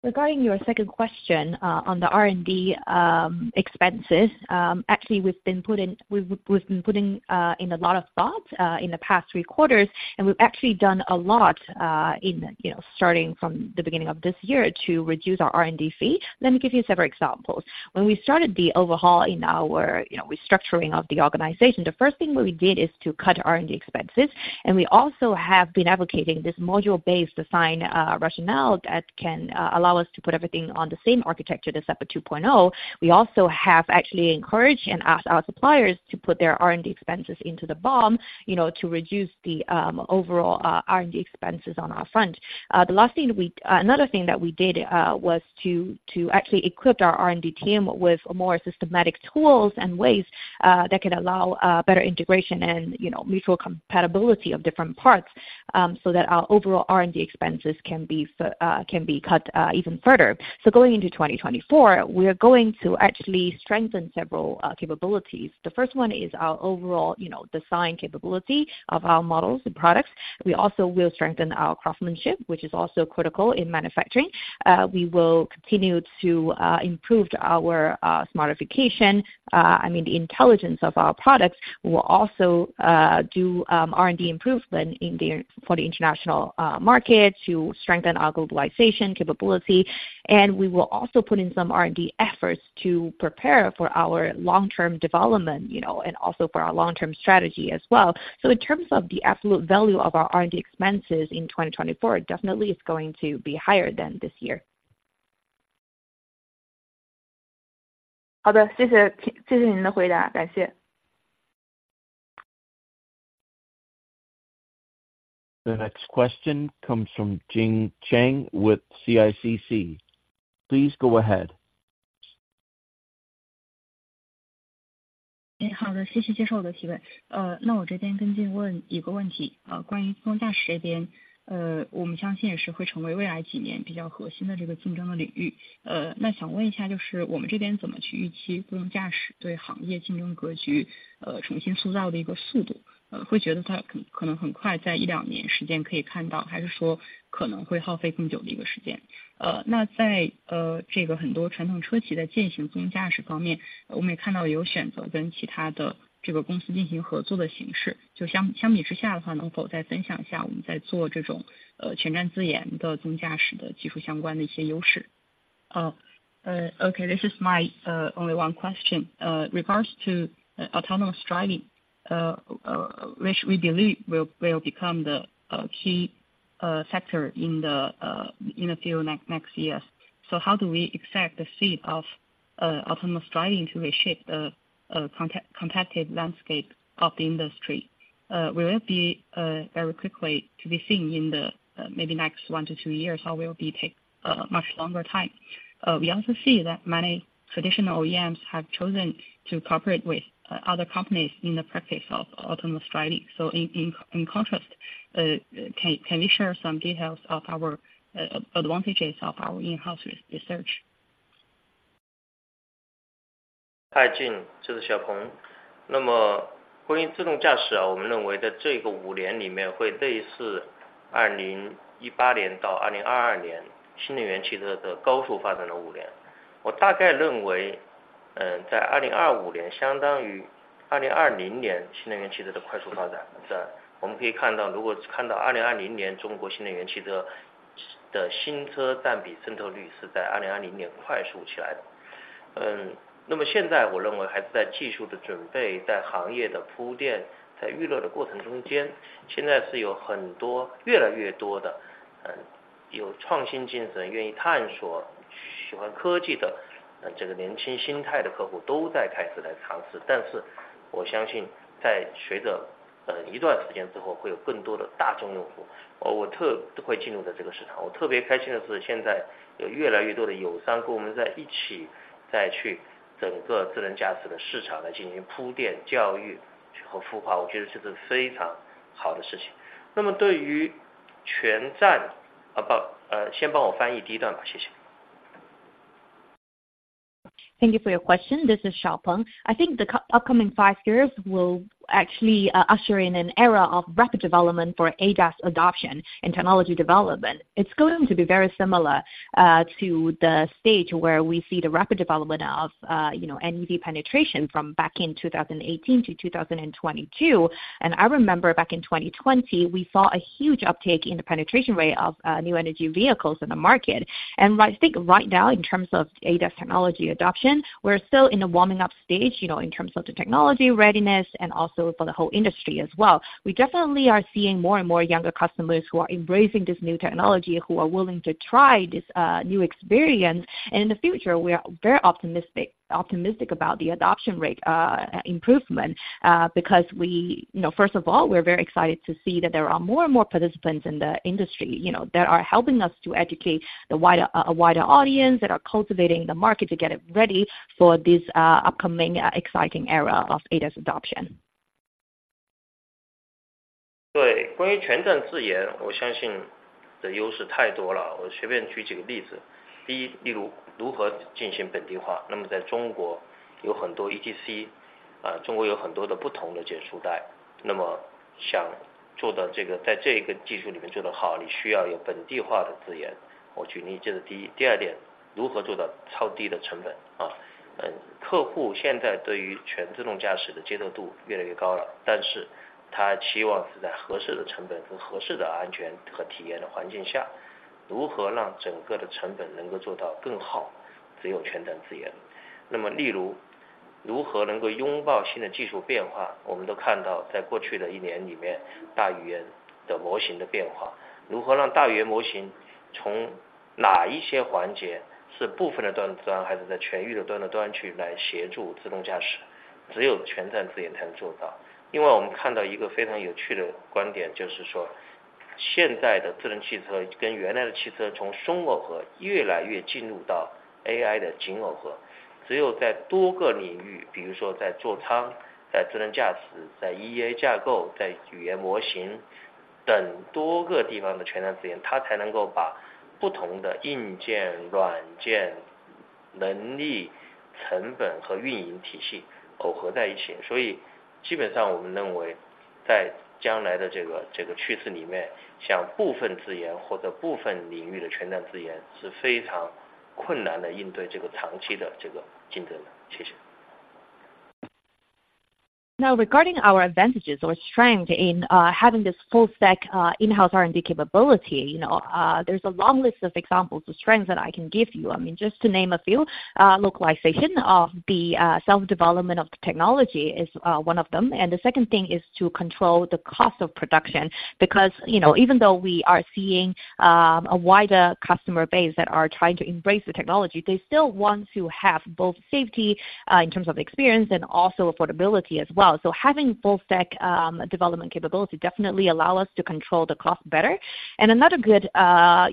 Regarding your second question, on the R&D expenses, actually we've been putting in a lot of thoughts in the past three quarters, and we've actually done a lot, you know, starting from the beginning of this year to reduce our R&D fee. Let me give you several examples. When we started the overhaul in our, you know, restructuring of the organization, the first thing what we did is to cut R&D expenses, and we also have been advocating this module based design, rationale that can, allow us to put everything on the same architecture, the SEPA 2.0. We also have actually encouraged and asked our suppliers to put their R&D expenses into the BOM, you know, to reduce the overall R&D expenses on our front. The last thing we—another thing that we did was to actually equipped our R&D team with a more systematic tools and ways that could allow better integration and, you know, mutual compatibility of different parts, so that our overall R&D expenses can be cut even further. So going into 2024, we are going to actually strengthen several capabilities. The first one is our overall, you know, design capability of our models and products. We also will strengthen our craftsmanship, which is also critical in manufacturing. We will continue to improve our smartification, I mean, the intelligence of our products. We will also do R&D improvement in the for the international markets to strengthen our globalization capability. And we will also put in some R&D efforts to prepare for our long term development, you know, and also for our long term strategy as well. So in terms of the absolute value of our R&D expenses in 2024, definitely is going to be higher than this year. 好的，谢谢，谢谢您的回答，感谢。The next question comes from Jing Chang with CICC. Please go ahead. Okay, this is my only one question. Regarding autonomous driving, which we believe will become a key factor in the next few years. So how do we expect the speed of autonomous driving to reshape the competitive landscape of the industry? Will it be very quickly seen in the next one to two years, or will it take much longer time? We also see that many traditional OEMs have chosen to cooperate with other companies in the practice of autonomous driving. So in contrast, can you share some details of our advantages of our in-house research? Thank you for your question. This is Xiaopeng. I think the upcoming five years will actually usher in an era of rapid development for ADAS adoption and technology development. It's going to be very similar to the stage where we see the rapid development of, you know, NEV penetration from back in 2018 to 2022. And I remember back in 2020, we saw a huge uptake in the penetration rate of new energy vehicles in the market. And I think right now, in terms of ADAS technology adoption, we're still in a warming up stage, you know, in terms of the technology readiness and also for the whole industry as well. We definitely are seeing more and more younger customers who are embracing this new technology, who are willing to try this new experience. And in the future, we are very optimistic, optimistic about the adoption rate improvement because we, you know, first of all, we are very excited to see that there are more and more participants in the industry, you know, that are helping us to educate the wider, a wider audience, that are cultivating the market to get it ready for this upcoming exciting era of ADAS adoption. Now, regarding our advantages or strength in having this full stack in-house R&D capability, you know, there's a long list of examples of strength that I can give you. I mean, just to name a few, localization of the self development of the technology is one of them. And the second thing is to control the cost of production, because, you know, even though we are seeing a wider customer base that are trying to embrace the technology, they still want to have both safety in terms of experience and also affordability as well. So having full stack development capability definitely allow us to control the cost better. And another good,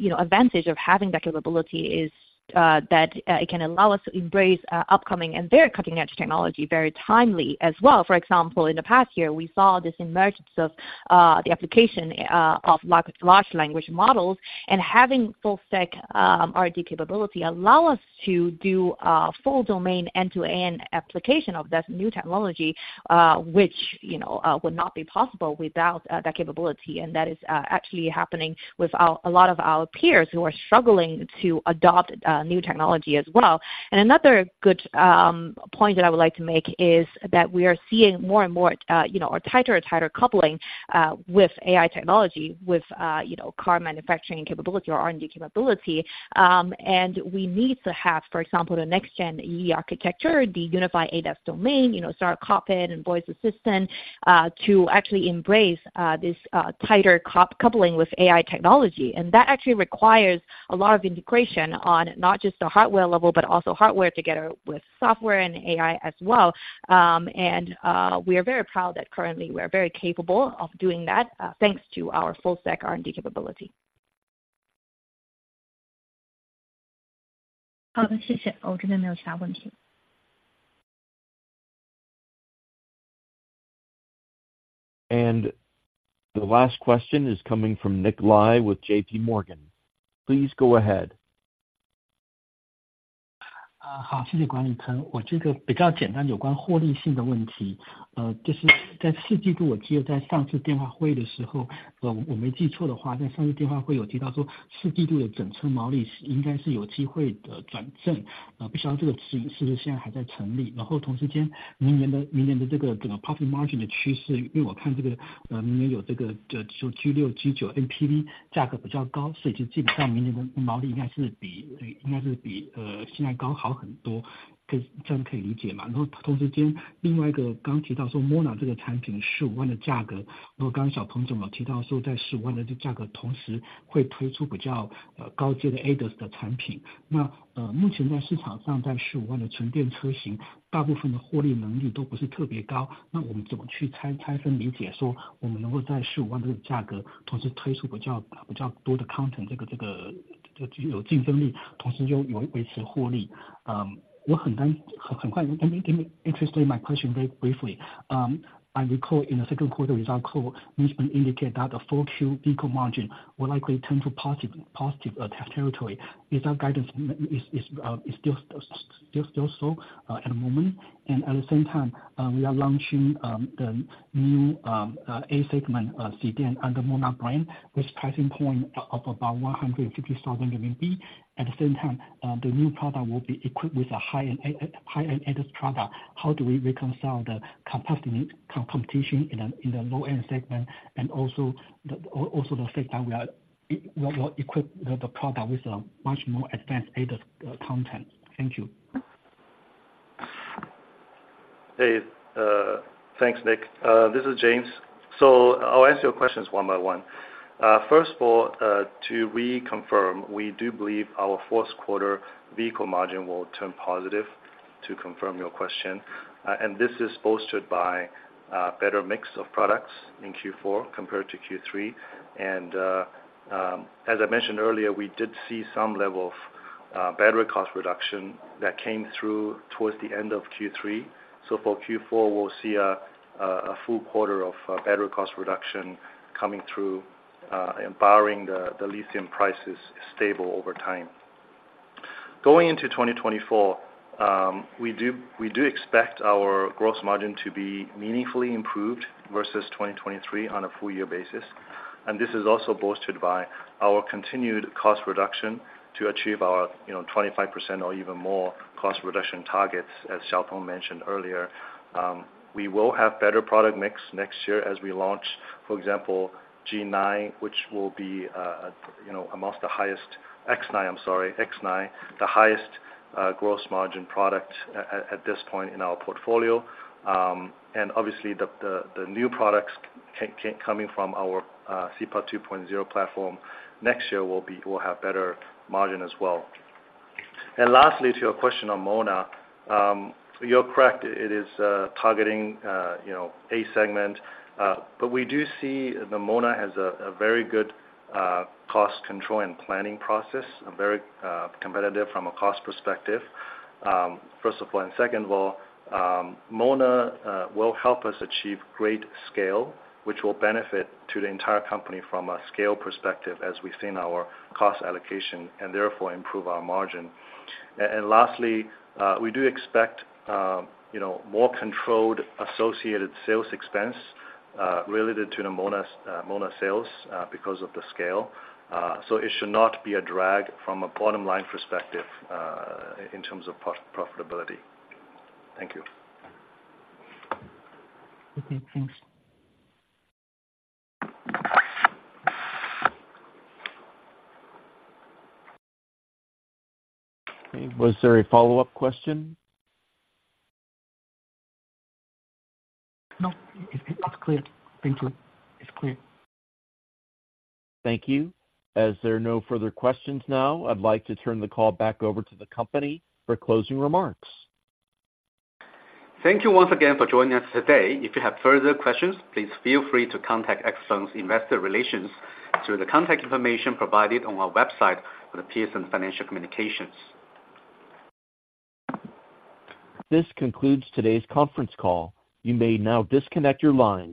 you know, advantage of having that capability is that it can allow us to embrace upcoming and very cutting edge technology very timely as well. For example, in the past year, we saw this emergence of the application of large language models and having full stack R&D capability allow us to do full domain end to end application of this new technology, which you know would not be possible without that capability. And that is actually happening with our a lot of our peers who are struggling to adopt new technology as well. And another good point that I would like to make is that we are seeing more and more, you know, a tighter and tighter coupling with AI technology, with, you know, car manufacturing capability or R&D capability. And we need to have, for example, the next gen EE Architecture, the unified ADAS domain, you know, smart cockpit and voice assistant to actually embrace this tighter coupling with AI technology. And that actually requires a lot of integration on not just the hardware level, but also hardware together with software and AI as well. And we are very proud that currently we are very capable of doing that thanks to our full stack R&D capability. 好的，谢谢。我这边没有其他问题。The last question is coming from Nick Lai with J.P. Morgan. Please go ahead. Good, thank you management. This is relatively simple, related to profitability question. In the Q4, I remember in the last conference call, if I didn't remember wrong, in the last conference call it was mentioned that the Q4 whole vehicle gross margin should have the opportunity to turn positive. Not sure if this guidance is still valid now? Then at the same time, next year's, next year's this whole profit margin's trend, because I see this, next year has this G6, G9 MPV price relatively high, so basically next year's gross margin should be, should be, much higher than now. Can it be understood this way? Then at the same time, another one just mentioned that Mona this product CNY 150,000 price, if just now President Xiaopeng mentioned that at this CNY 150,000 price, at the same time will launch relatively high-tier ADAS product, then currently on the market, in the CNY 150,000 pure electric car models, most of the profitability is not particularly high, then how do we guess and understand that we could at this CNY 150,000 price, at the same time launch relatively more content, this, this, has competitiveness, at the same time maintain profitability. I am very worried... Let me introduce my question very briefly. I recall in the Q2 result call, management indicate that the full Q vehicle margin will likely turn to positive territory. Is our guidance still so at the moment? And at the same time, we are launching the new A-class EV under Mona brand, which pricing point of about 150,000 RMB. At the same time, the new product will be equipped with a high-end ADAS product. How do we reconcile the capacity competition in the low-end segment and also the fact that we are equipping the product with a much more advanced ADAS content? Thank you. Hey, thanks, Nick. This is James. So I'll answer your questions one by one. First of all, to reconfirm, we do believe our Q4 vehicle margin will turn positive, to confirm your question. This is bolstered by a better mix of products in Q4 compared to Q3. As I mentioned earlier, we did see some level of battery cost reduction that came through towards the end of Q3. So for Q4, we'll see a full quarter of battery cost reduction coming through, empowering the lithium prices stable over time. Going into 2024, we do, we do expect our gross margin to be meaningfully improved versus 2023 on a full year basis, and this is also bolstered by our continued cost reduction to achieve our, you know, 25% or even more cost reduction targets, as Xiaopeng mentioned earlier. We will have better product mix next year as we launch, for example, G9, which will be, you know, amongst the highest... X9, I'm sorry, X9, the highest, gross margin product at this point in our portfolio. And obviously, the new products coming from our SEPA 2.0 platform next year will be, will have better margin as well. And lastly, to your question on Mona. You're correct. It is targeting, you know, A segment. But we do see the Mona has a very good cost control and planning process, a very competitive from a cost perspective, first of all. And second of all, Mona will help us achieve great scale, which will benefit to the entire company from a scale perspective, as we've seen our cost allocation, and therefore improve our margin. And lastly, we do expect, you know, more controlled associated sales expense related to the Mona sales because of the scale. So it should not be a drag from a bottom-line perspective in terms of profitability. Thank you. Okay, thanks. Was there a follow-up question? No, it's, it's all clear. Thank you. It's clear. Thank you. As there are no further questions now, I'd like to turn the call back over to the company for closing remarks. Thank you once again for joining us today. If you have further questions, please feel free to contact XPeng's Investor Relations through the contact information provided on our website for the Piacente Financial Communications. This concludes today's conference call. You may now disconnect your lines.